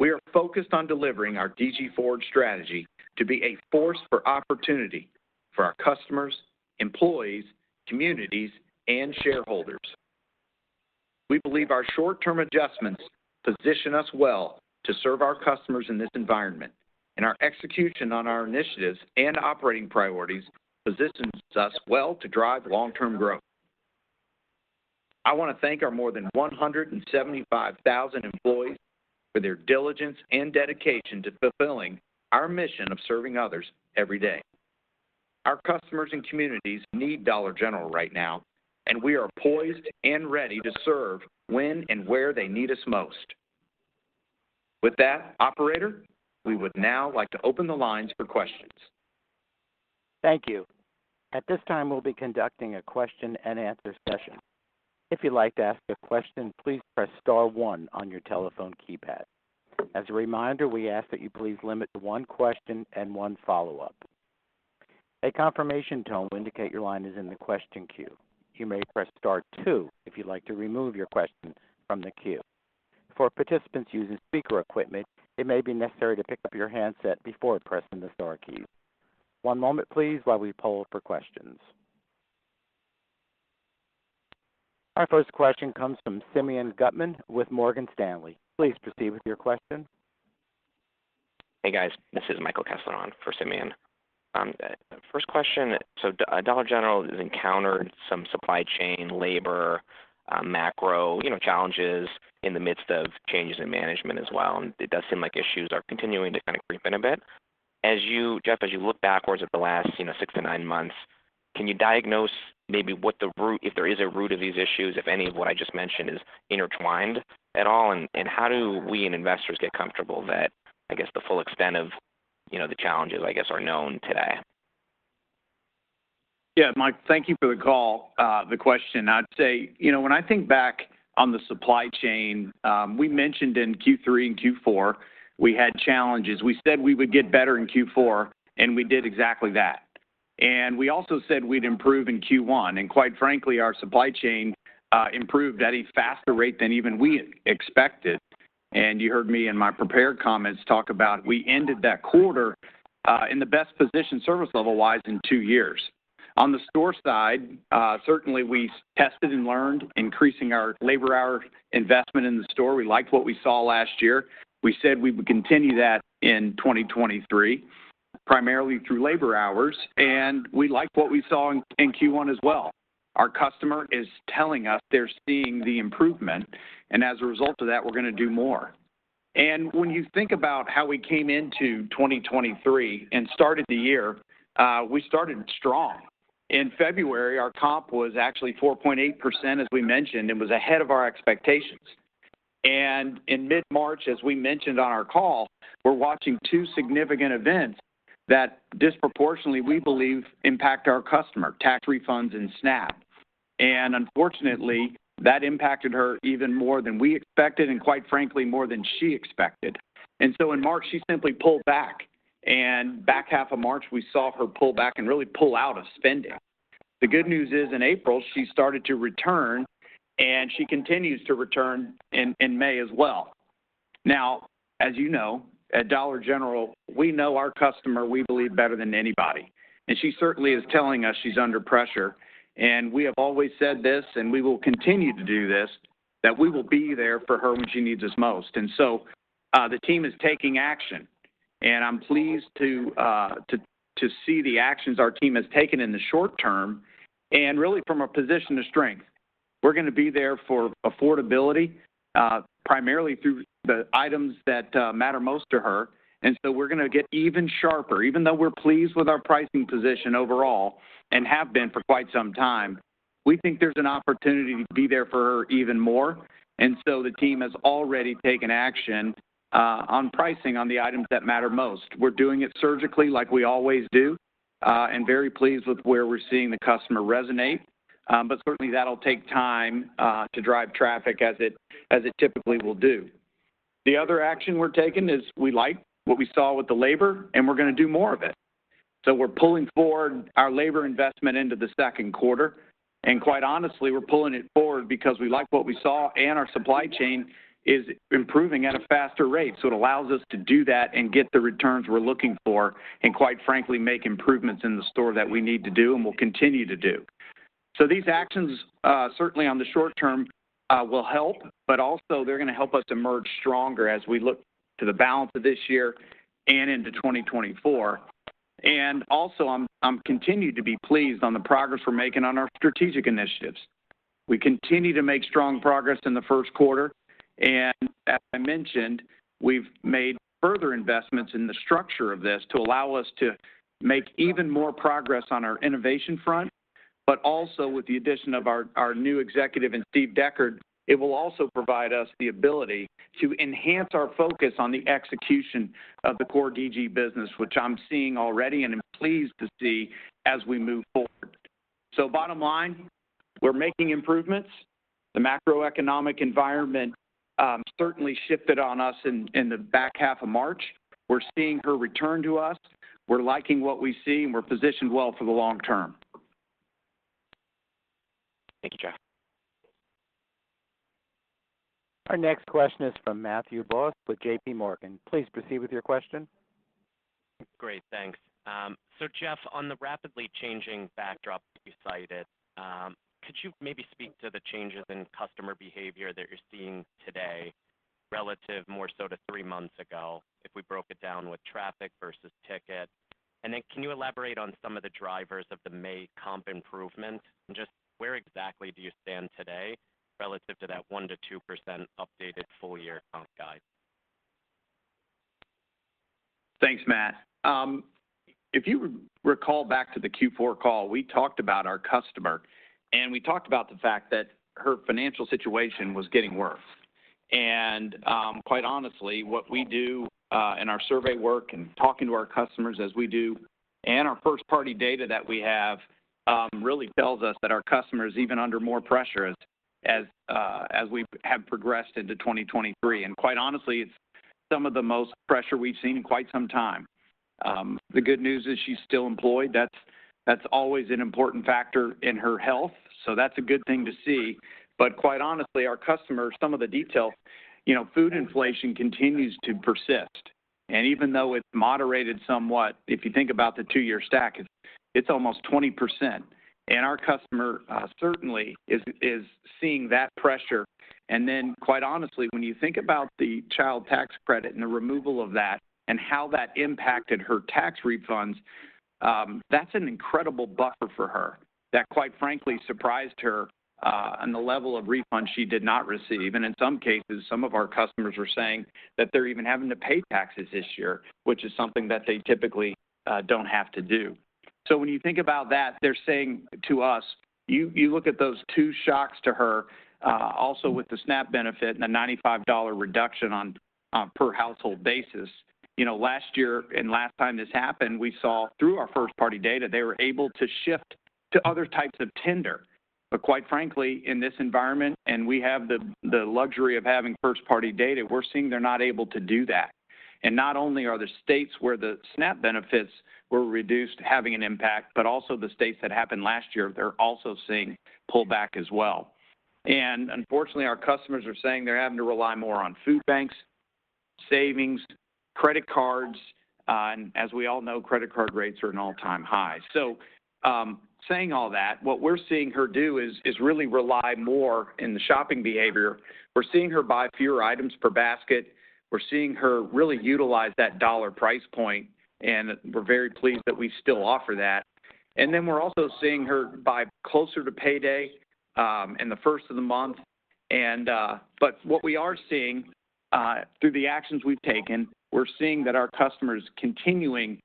we are focused on delivering our DG Forward strategy to be a force for opportunity for our customers, employees, communities, and shareholders. We believe our short-term adjustments position us well to serve our customers in this environment, and our execution on our initiatives and operating priorities positions us well to drive long-term growth. I want to thank our more than 175,000 employees for their diligence and dedication to fulfilling our mission of Serving Others every day. Our customers and communities need Dollar General right now, and we are poised and ready to serve when and where they need us most. With that, operator, we would now like to open the lines for questions. Thank you. At this time, we'll be conducting a question and answer session. If you'd like to ask a question, please press star one on your telephone keypad. As a reminder, we ask that you please limit to one question and one follow-up. A confirmation tone will indicate your line is in the question queue. You may press star two if you'd like to remove your question from the queue. For participants using speaker equipment, it may be necessary to pick up your handset before pressing the star key. One moment, please, while we poll for questions. Our first question comes from Simeon Gutman with Morgan Stanley. Please proceed with your question. Hey, guys. This is Michael Kessler for Simeon. First question. Dollar General has encountered some supply chain, labor, macro, you know, challenges in the midst of changes in management as well, and it does seem like issues are continuing to kind of creep in a bit. As you, Jeff, as you look backwards at the last, you know, six to nine months, can you diagnose maybe what the root, if there is a root of these issues, if any of what I just mentioned is intertwined at all? How do we and investors get comfortable that, I guess, the full extent of, you know, the challenges, I guess, are known today? Yeah, Mike, thank you for the call, the question. I'd say, you know, when I think back on the supply chain, we mentioned in Q3 and Q4, we had challenges. We said we would get better in Q4, and we did exactly that. We also said we'd improve in Q1, and quite frankly, our supply chain improved at a faster rate than even we expected. You heard me in my prepared comments talk about we ended that quarter in the best position, service level-wise, in two years. On the store side, certainly we tested and learned, increasing our labor hour investment in the store. We liked what we saw last year. We said we would continue that in 2023, primarily through labor hours, and we liked what we saw in Q1 as well. Our customer is telling us they're seeing the improvement, as a result of that, we're going to do more. When you think about how we came into 2023 and started the year, we started strong. In February, our comp was actually 4.8%, as we mentioned, was ahead of our expectations. In mid-March, as we mentioned on our call, we're watching two significant events that disproportionately, we believe, impact our customer, tax refunds and SNAP. Unfortunately, that impacted her even more than we expected and quite frankly, more than she expected. In March, she simply pulled back half of March, we saw her pull back and really pull out of spending. The good news is, in April, she started to return, she continues to return in May as well. Now, as you know, at Dollar General, we know our customer, we believe, better than anybody. She certainly is telling us she's under pressure. We have always said this, and we will continue to do this, that we will be there for her when she needs us most. The team is taking action, and I'm pleased to see the actions our team has taken in the short term and really from a position of strength. We're going to be there for affordability, primarily through the items that matter most to her. We're going to get even sharper. Even though we're pleased with our pricing position overall and have been for quite some time, we think there's an opportunity to be there for her even more. The team has already taken action on pricing on the items that matter most. We're doing it surgically like we always do, very pleased with where we're seeing the customer resonate. Certainly, that'll take time to drive traffic as it typically will do. The other action we're taking is we like what we saw with the labor. We're going to do more of it. We're pulling forward our labor investment into the second quarter. Quite honestly, we're pulling it forward because we like what we saw and our supply chain is improving at a faster rate. It allows us to do that and get the returns we're looking for, and quite frankly, make improvements in the store that we need to do and will continue to do. These actions, certainly on the short term, will help, but also they're going to help us emerge stronger as we look to the balance of this year and into 2024. Also, I'm continued to be pleased on the progress we're making on our strategic initiatives. We continue to make strong progress in the first quarter. As I mentioned, we've made further investments in the structure of this to allow us to make even more progress on our innovation front, but also with the addition of our new executive in Steve Deckard, it will also provide us the ability to enhance our focus on the execution of the core DG business, which I'm seeing already and am pleased to see as we move forward. Bottom line, we're making improvements. The macroeconomic environment certainly shifted on us in the back half of March. We're seeing her return to us. We're liking what we see, and we're positioned well for the long term. Thank you, Jeff. Our next question is from Matthew Boss with JPMorgan. Please proceed with your question. Great. Thanks. Jeff, on the rapidly changing backdrop you cited, could you maybe speak to the changes in customer behavior that you're seeing today, relative more so to three months ago, if we broke it down with traffic versus ticket? Can you elaborate on some of the drivers of the May comp improvements, and just where exactly do you stand today relative to that 1%-2% updated full-year comp guide? Thanks, Matt. If you recall back to the Q4 call, we talked about our customer, we talked about the fact that her financial situation was getting worse. Quite honestly, what we do in our survey work and talking to our customers as we do, our first-party data that we have, really tells us that our customer is even under more pressure as we have progressed into 2023. Quite honestly, it's some of the most pressure we've seen in quite some time. The good news is she's still employed. That's always an important factor in her health, that's a good thing to see. Quite honestly, our customer, some of the details, you know, food inflation continues to persist. Even though it's moderated somewhat, if you think about the two-year stack, it's almost 20%, and our customer certainly is seeing that pressure. Quite honestly, when you think about the child tax credit and the removal of that and how that impacted her tax refunds, that's an incredible buffer for her. That, quite frankly, surprised her on the level of refunds she did not receive. In some cases, some of our customers were saying that they're even having to pay taxes this year, which is something that they typically don't have to do. When you think about that, they're saying to us, you look at those two shocks to her, also with the SNAP benefit and the $95 reduction on per household basis. You know, last year and last time this happened, we saw through our first-party data, they were able to shift to other types of tender. Quite frankly, in this environment, and we have the luxury of having first-party data, we're seeing they're not able to do that. Not only are the states where the SNAP benefits were reduced having an impact, but also the states that happened last year, they're also seeing pull back as well. Unfortunately, our customers are saying they're having to rely more on food banks, savings, credit cards, and as we all know, credit card rates are at an all-time high. Saying all that, what we're seeing her do is really rely more in the shopping behavior. We're seeing her buy fewer items per basket. We're seeing her really utilize that dollar price point, and we're very pleased that we still offer that. We're also seeing her buy closer to payday, in the first of the month. What we are seeing, through the actions we've taken, we're seeing that our customer is continuing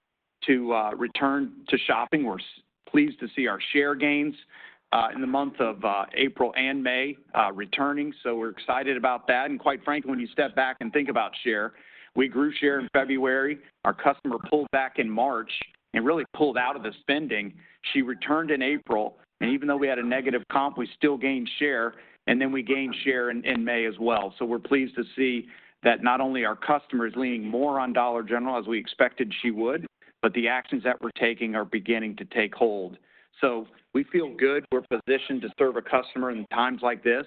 to return to shopping. We're pleased to see our share gains, in the month of April and May, returning. We're excited about that. Quite frankly, when you step back and think about share, we grew share in February. Our customer pulled back in March and really pulled out of the spending. She returned in April, and even though we had a negative comp, we still gained share, and then we gained share in May as well. We're pleased to see that not only are customers leaning more on Dollar General, as we expected she would, but the actions that we're taking are beginning to take hold. We feel good. We're positioned to serve a customer in times like this,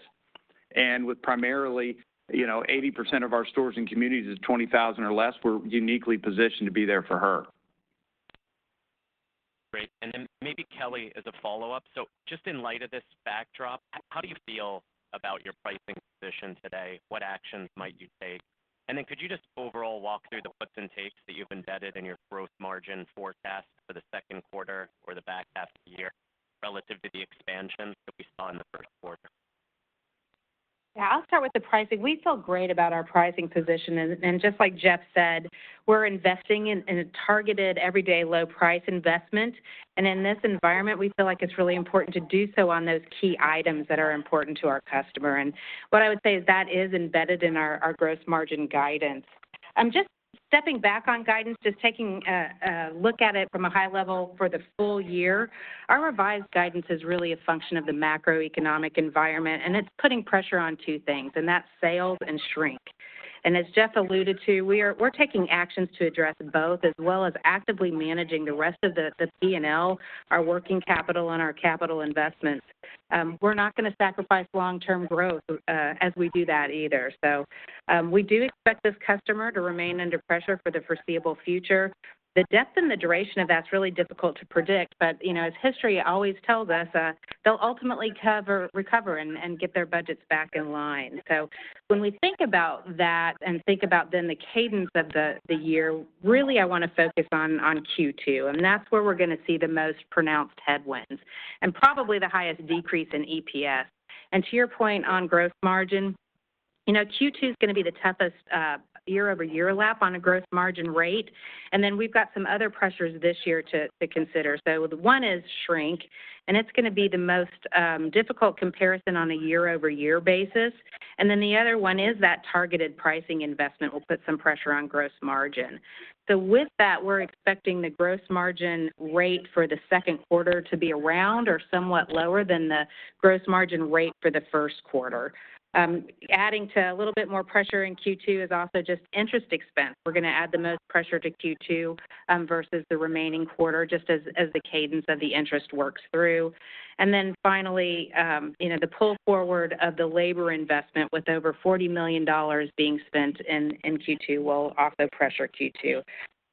and with primarily, you know, 80% of our stores and communities is 20,000 or less, we're uniquely positioned to be there for her. Great. Maybe Kelly, as a follow-up. Just in light of this backdrop, how do you feel about your pricing position today? What actions might you take? Could you just overall walk through the puts and takes that you've embedded in your gross margin forecast for the second quarter or the back half of the year relative to the expansion that we saw in the first quarter? Yeah, I'll start with the pricing. We feel great about our pricing position, and just like Jeff said, we're investing in a targeted everyday low price investment. In this environment, we feel like it's really important to do so on those key items that are important to our customer. What I would say is that is embedded in our gross margin guidance. Just stepping back on guidance, just taking a look at it from a high level for the full year, our revised guidance is really a function of the macroeconomic environment, and it's putting pressure on two things, and that's sales and shrink. As Jeff alluded to, we're taking actions to address both, as well as actively managing the rest of the P&L, our working capital and our capital investments. We're not going to sacrifice long-term growth as we do that either. We do expect this customer to remain under pressure for the foreseeable future. The depth and the duration of that's really difficult to predict, but, you know, as history always tells us, they'll ultimately recover and get their budgets back in line. When we think about that and think about the cadence of the year, really, I want to focus on Q2, and that's where we're going to see the most pronounced headwinds and probably the highest decrease in EPS. To your point on gross margin, you know, Q2 is going to be the toughest year-over-year lap on a groth margin rate, and then we've got some other pressures this year to consider. The one is shrink, and it's going to be the most difficult comparison on a year-over-year basis. The other one is that targeted pricing investment will put some pressure on gross margin. With that, we're expecting the gross margin rate for the second quarter to be around or somewhat lower than the gross margin rate for the first quarter. Adding to a little bit more pressure in Q2 is also just interest expense. We're going to add the most pressure to Q2 versus the remaining quarter, just as the cadence of the interest works through. Finally, you know, the pull forward of the labor investment with over $40 million being spent in Q2 will also pressure Q2.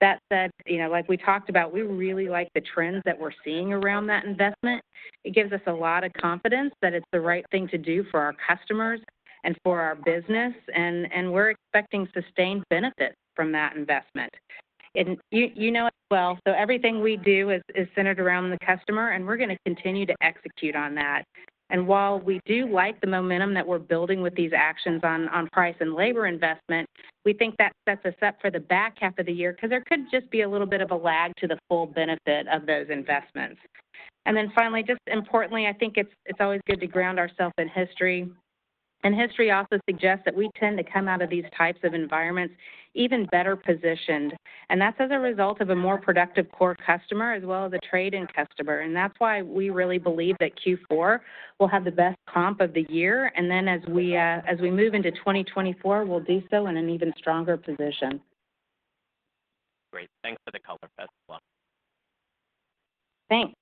That said, you know, like we talked about, we really like the trends that we're seeing around that investment. It gives us a lot of confidence that it's the right thing to do for our customers and for our business, and we're expecting sustained benefit from that investment. You know it well, so everything we do is centered around the customer, and we're going to continue to execute on that. While we do like the momentum that we're building with these actions on price and labor investment, we think that sets us up for the back half of the year, because there could just be a little bit of a lag to the full benefit of those investments. Finally, just importantly, I think it's always good to ground ourselves in history. History also suggests that we tend to come out of these types of environments even better positioned, and that's as a result of a more productive core customer as well as a trade-in customer. That's why we really believe that Q4 will have the best comp of the year. As we move into 2024, we'll do so in an even stronger position. Great. Thanks for the color, Kelly. Thanks.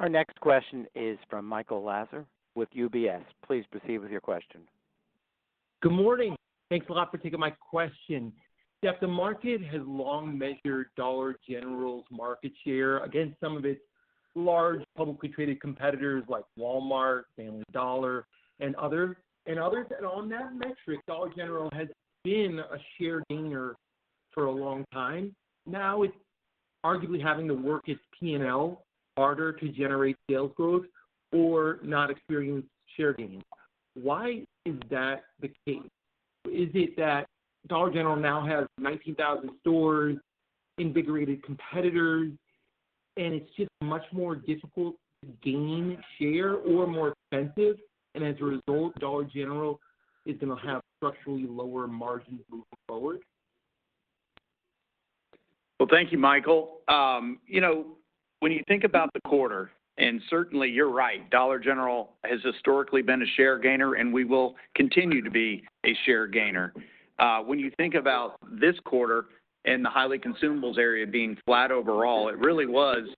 Our next question is from Michael Lasser with UBS. Please proceed with your question. Good morning. Thanks a lot for taking my question. Jeff, the market has long measured Dollar General's market share against some of its large publicly traded competitors like Walmart, Family Dollar, and others. On that metric, Dollar General has been a share gainer for a long time. Now, it's arguably having to work its P&L harder to generate sales growth or not experience share gains. Why is that the case? Is it that Dollar General now has 19,000 stores, invigorated competitors, and it's just much more difficult to gain share or more expensive, and as a result, Dollar General is going to have structurally lower margins moving forward? Well, thank you, Michael. you know, when you think about the quarter, and certainly you're right, Dollar General has historically been a share gainer, and we will continue to be a share gainer. when you think about this quarter and the highly consumables area being flat overall, it really was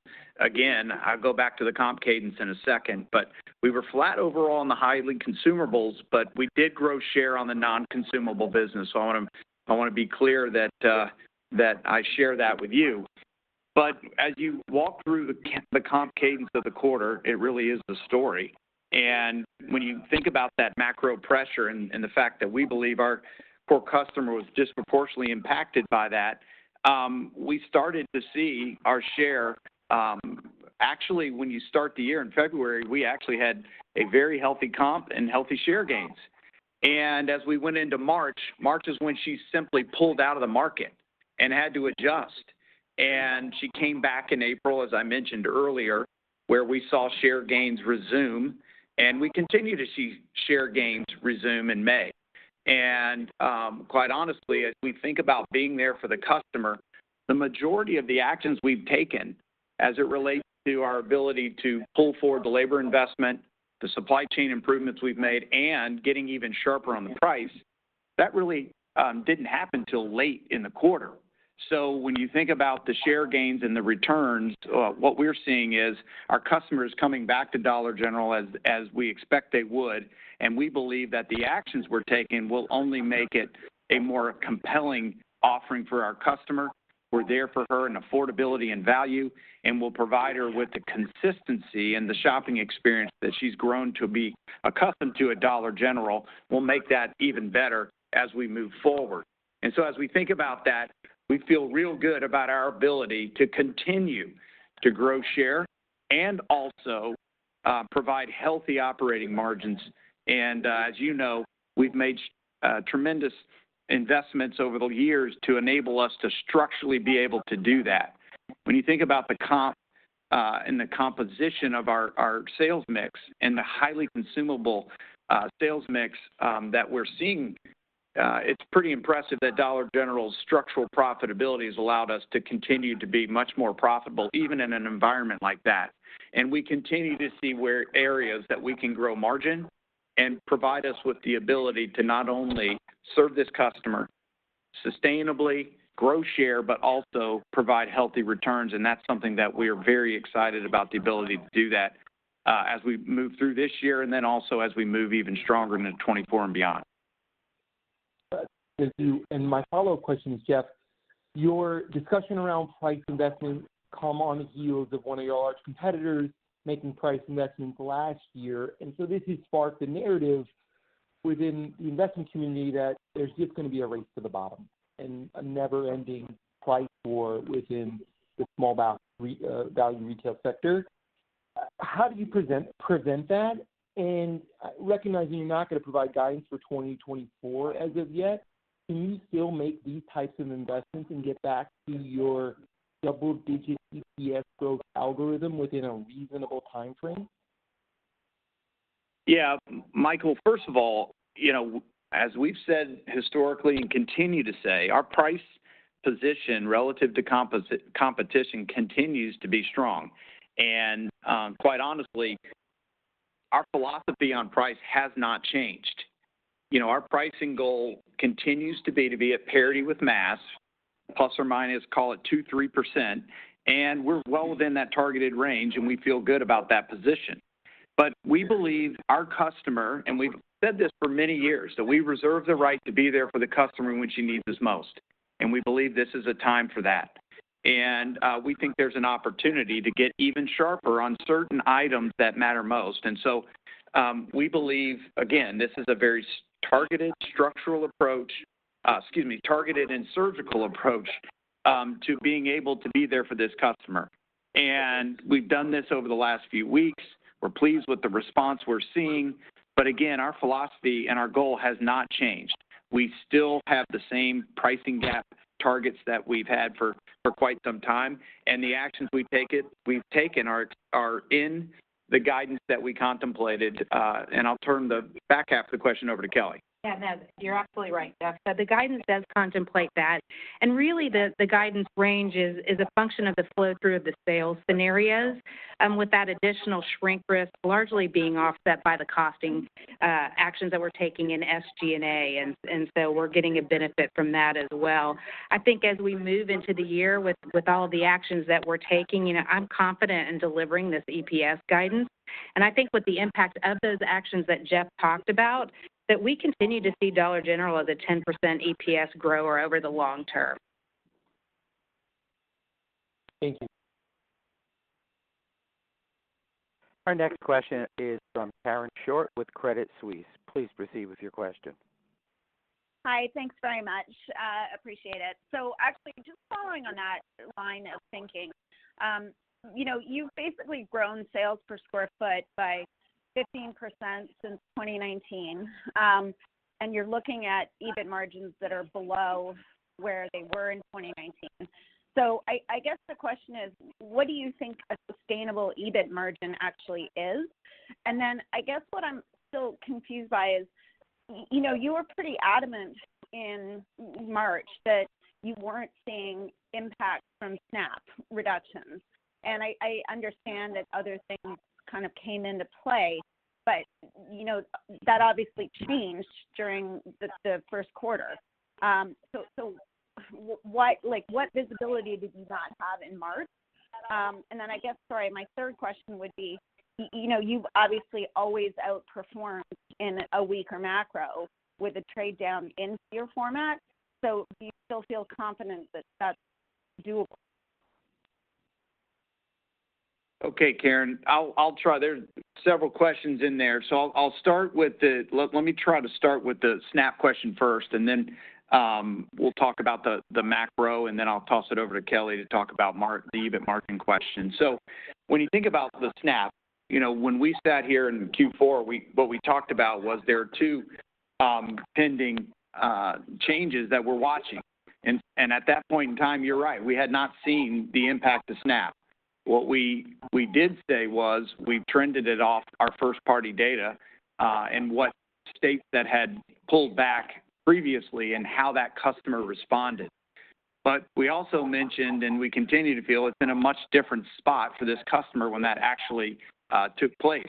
again, I'll go back to the comp cadence in a second, but we were flat overall on the highly consumables, but we did grow share on the non-consumable business. I want to be clear that I share that with you. as you walk through the comp cadence of the quarter, it really is the story. When you think about that macro pressure and the fact that we believe our core customer was disproportionately impacted by that, we started to see our share, actually, when you start the year in February, we actually had a very healthy comp and healthy share gains. As we went into March is when she simply pulled out of the market and had to adjust. She came back in April, as I mentioned earlier, where we saw share gains resume, and we continue to see share gains resume in May. Quite honestly, as we think about being there for the customer, the majority of the actions we've taken as it relates to our ability to pull forward the labor investment, the supply chain improvements we've made, and getting even sharper on the price, that really didn't happen till late in the quarter. When you think about the share gains and the returns, what we're seeing is our customers coming back to Dollar General as we expect they would, and we believe that the actions we're taking will only make it a more compelling offering for our customer. We're there for her in affordability and value, and we'll provide her with the consistency and the shopping experience that she's grown to be accustomed to at Dollar General. We'll make that even better as we move forward. As we think about that, we feel real good about our ability to continue to grow share and also provide healthy operating margins. As you know, we've made tremendous investments over the years to enable us to structurally be able to do that. When you think about the comp and the composition of our sales mix and the highly consumable sales mix that we're seeing, it's pretty impressive that Dollar General's structural profitability has allowed us to continue to be much more profitable, even in an environment like that. We continue to see where areas that we can grow margin and provide us with the ability to not only serve this customer sustainably, grow share, but also provide healthy returns, and that's something that we are very excited about the ability to do that, as we move through this year and then also as we move even stronger into 2024 and beyond. Thank you. My follow-up question is, Jeff, your discussion around price investment come on the heels of one of your large competitors making price investments last year. This has sparked a narrative within the investment community that there's just going to be a race to the bottom and a never-ending price war within the small value retail sector. How do you prevent that? Recognizing you're not going to provide guidance for 2024 as of yet, can you still make these types of investments and get back to your double-digit EPS growth algorithm within a reasonable timeframe? Yeah, Michael, first of all, you know, as we've said historically and continue to say, our price position relative to competition continues to be strong. Quite honestly, our philosophy on price has not changed. You know, our pricing goal continues to be at parity with mass, plus or minus, call it 2%-3%, and we're well within that targeted range, and we feel good about that position. We believe our customer, and we've said this for many years, that we reserve the right to be there for the customer when she needs us most, and we believe this is a time for that. We think there's an opportunity to get even sharper on certain items that matter most. We believe, again, this is a very targeted, structural approach, excuse me, targeted and surgical approach, to being able to be there for this customer. We've done this over the last few weeks. We're pleased with the response we're seeing. Again, our philosophy and our goal has not changed. We still have the same pricing gap targets that we've had for quite some time, and the actions we've taken are in the guidance that we contemplated. I'll turn the back half of the question over to Kelly. Yeah, no, you're absolutely right, Jeff. The guidance does contemplate that, and really, the guidance range is a function of the flow through of the sales scenarios, with that additional shrink risk largely being offset by the costing actions that we're taking in SG&A, and so we're getting a benefit from that as well. I think as we move into the year with all of the actions that we're taking, you know, I'm confident in delivering this EPS guidance. I think with the impact of those actions that Jeff talked about, that we continue to see Dollar General as a 10% EPS grower over the long term. Thank you. Our next question is from Karen Short with Credit Suisse. Please proceed with your question. Appreciate it. Actually, just following on that line of thinking, you know, you've basically grown sales per square foot by 15% since 2019, and you're looking at EBIT margins that are below where they were in 2019. I guess the question is, what do you think a sustainable EBIT margin actually is? I guess what I'm still confused by is, you know, you were pretty adamant in March that you weren't seeing impact from SNAP reductions. I understand that other things kind of came into play, but, you know, that obviously changed during the first quarter. What, like, what visibility did you not have in March? I guess, sorry, my third question would be, you know, you've obviously always outperformed in a weaker macro with a trade down into your format, so do you still feel confident that that's doable? Okay, Karen, I'll try. There's several questions in there, I'll start with the SNAP question first, and then we'll talk about the macro, and then I'll toss it over to Kelly to talk about the EBIT margin question. When you think about the SNAP, you know, when we sat here in Q4, what we talked about was there are two pending changes that we're watching. At that point in time, you're right, we had not seen the impact of SNAP. What we did say was, we've trended it off our first-party data, and what states that had pulled back previously and how that customer responded. We also mentioned, and we continue to feel it's in a much different spot for this customer when that actually took place.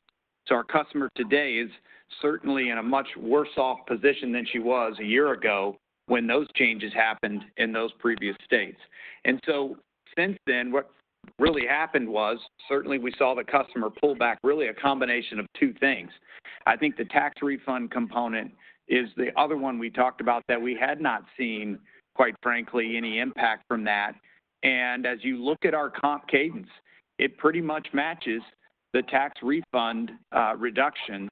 Our customer today is certainly in a much worse off position than she was a year ago when those changes happened in those previous states. Since then, what really happened was certainly we saw the customer pull back, really a combination of two things. I think the tax refund component is the other one we talked about that we had not seen, quite frankly, any impact from that. As you look at our comp cadence, it pretty much matches the tax refund reduction,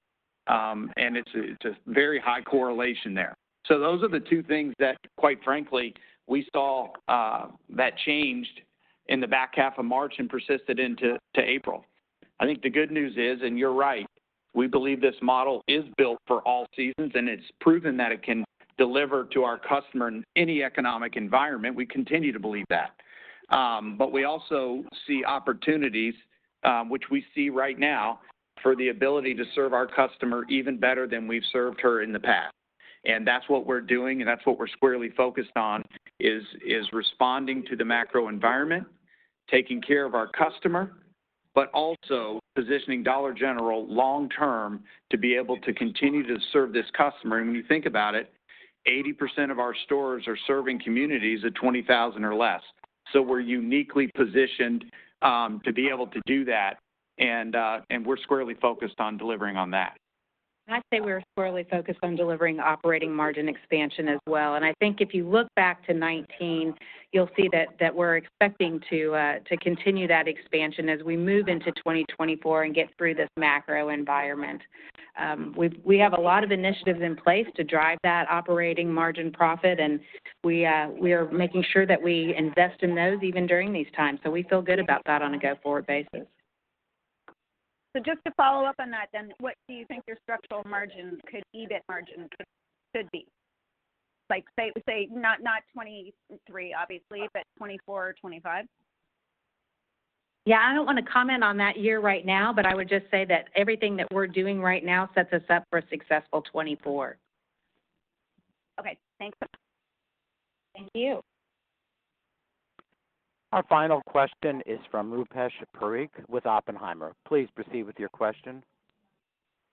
and it's a very high correlation there. Those are the two things that, quite frankly, we saw that changed in the back half of March and persisted into April. I think the good news is, and you're right, we believe this model is built for all seasons, and it's proven that it can deliver to our customer in any economic environment. We continue to believe that. We also see opportunities, which we see right now, for the ability to serve our customer even better than we've served her in the past. That's what we're doing, and that's what we're squarely focused on, is responding to the macro environment, taking care of our customer, but also positioning Dollar General long term to be able to continue to serve this customer. When you think about it, 80% of our stores are serving communities of 20,000 or less. We're uniquely positioned to be able to do that, and we're squarely focused on delivering on that. I'd say we're squarely focused on delivering operating margin expansion as well. I think if you look back to 2019, you'll see that we're expecting to continue that expansion as we move into 2024 and get through this macro environment. We have a lot of initiatives in place to drive that operating margin profit, and we are making sure that we invest in those even during these times. We feel good about that on a go-forward basis. Just to follow up on that then, what do you think your structural margin could, EBIT margin could be? Like, say not 2023, obviously, but 2024 or 2025? Yeah, I don't want to comment on that year right now, but I would just say that everything that we're doing right now sets us up for a successful 2024. Okay, thanks. Thank you. Our final question is from Rupesh Parikh with Oppenheimer. Please proceed with your question.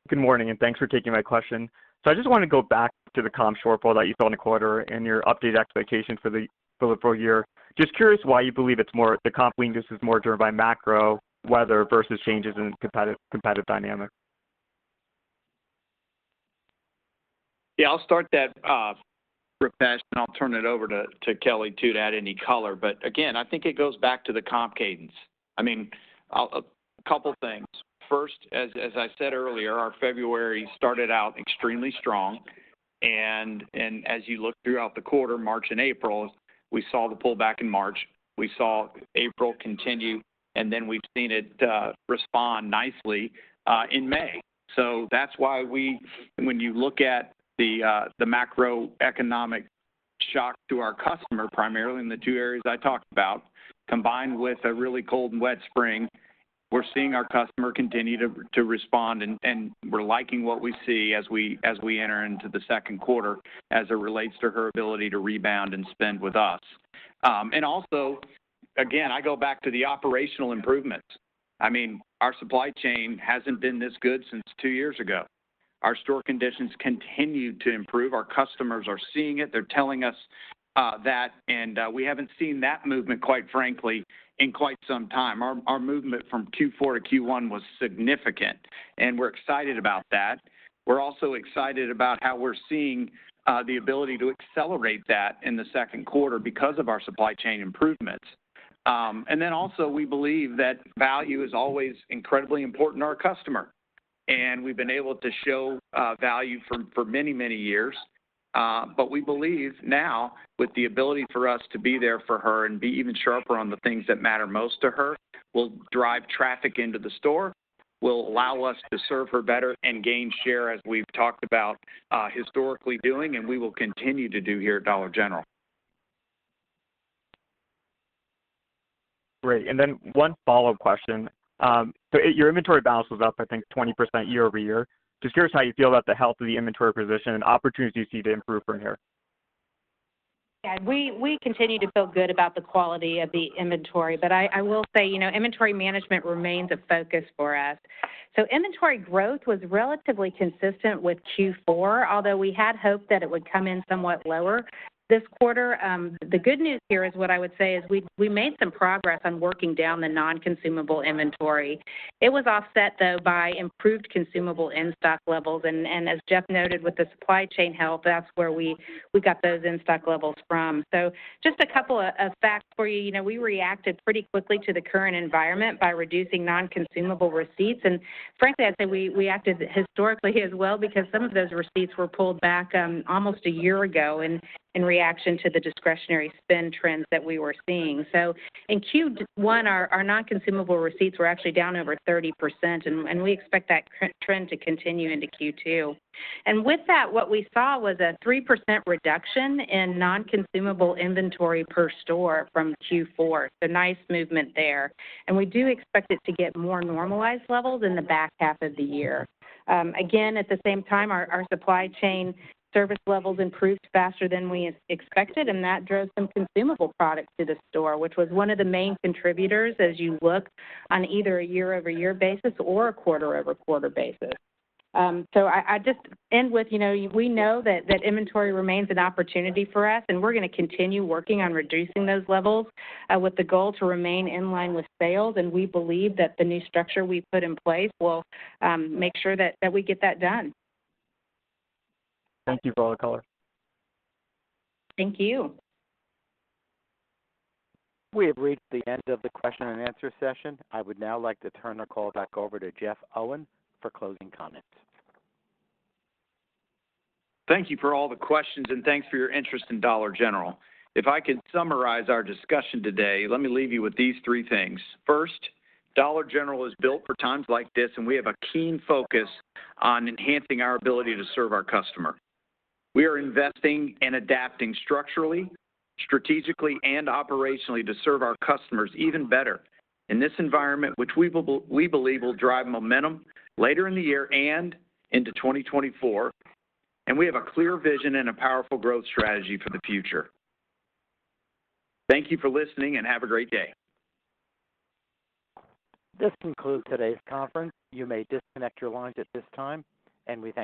Good morning, thanks for taking my question. I just wanted to go back to the comp shortfall that you saw in the quarter and your updated expectation for the full year. Just curious why you believe the comp weakness is more driven by macro weather versus changes in the competitive dynamic. I'll start that, Rupesh, and I'll turn it over to Kelly to add any color. Again, I think it goes back to the comp cadence. I mean, a couple of things. First, as I said earlier, our February started out extremely strong, and as you look throughout the quarter, March and April, we saw the pullback in March, we saw April continue, and then we've seen it respond nicely in May. That's why when you look at the macroeconomic shock to our customer, primarily in the two areas I talked about, combined with a really cold and wet spring, we're seeing our customer continue to respond, and we're liking what we see as we enter into the second quarter as it relates to her ability to rebound and spend with us. Also, again, I go back to the operational improvements. I mean, our supply chain hasn't been this good since two years ago. Our store conditions continue to improve. Our customers are seeing it. They're telling us that, and we haven't seen that movement, quite frankly, in quite some time. Our movement from Q4 to Q1 was significant, and we're excited about that. We're also excited about how we're seeing the ability to accelerate that in the second quarter because of our supply chain improvements. Then also, we believe that value is always incredibly important to our customer, and we've been able to show value for many, many years. We believe now, with the ability for us to be there for her and be even sharper on the things that matter most to her, will drive traffic into the store, will allow us to serve her better and gain share, as we've talked about, historically doing, and we will continue to do here at Dollar General. Great. One follow-up question. Your inventory balance was up, I think, 20% year-over-year. Just curious how you feel about the health of the inventory position and opportunities you see to improve from here? Yeah, we continue to feel good about the quality of the inventory, but I will say, you know, inventory management remains a focus for us. Inventory growth was relatively consistent with Q4, although we had hoped that it would come in somewhat lower this quarter. The good news here is, what I would say is we made some progress on working down the non-consumable inventory. It was offset, though, by improved consumable in-stock levels, and as Jeff noted, with the supply chain health, that's where we got those in-stock levels from. Just a couple of facts for you. You know, we reacted pretty quickly to the current environment by reducing non-consumable receipts. Frankly, I'd say we acted historically as well because some of those receipts were pulled back almost a year ago in reaction to the discretionary spend trends that we were seeing. In Q1, our non-consumable receipts were actually down over 30%, and we expect that trend to continue into Q2. With that, what we saw was a 3% reduction in non-consumable inventory per store from Q4, so nice movement there. We do expect it to get more normalized levels in the back half of the year. Again, at the same time, our supply chain service levels improved faster than we expected, and that drove some consumable products to the store, which was one of the main contributors as you look on either a year-over-year basis or a quarter-over-quarter basis. I just end with, you know, we know that inventory remains an opportunity for us, and we're going to continue working on reducing those levels with the goal to remain in line with sales, and we believe that the new structure we've put in place will make sure that we get that done. Thank you for all the color. Thank you. We have reached the end of the question and answer session. I would now like to turn the call back over to Jeff Owen for closing comments. Thank you for all the questions, and thanks for your interest in Dollar General. If I could summarize our discussion today, let me leave you with these three things. First, Dollar General is built for times like this, and we have a keen focus on enhancing our ability to serve our customer. We are investing and adapting structurally, strategically, and operationally to serve our customers even better in this environment, which we believe will drive momentum later in the year and into 2024, and we have a clear vision and a powerful growth strategy for the future. Thank you for listening, and have a great day. This concludes today's conference. You may disconnect your lines at this time, and we thank you.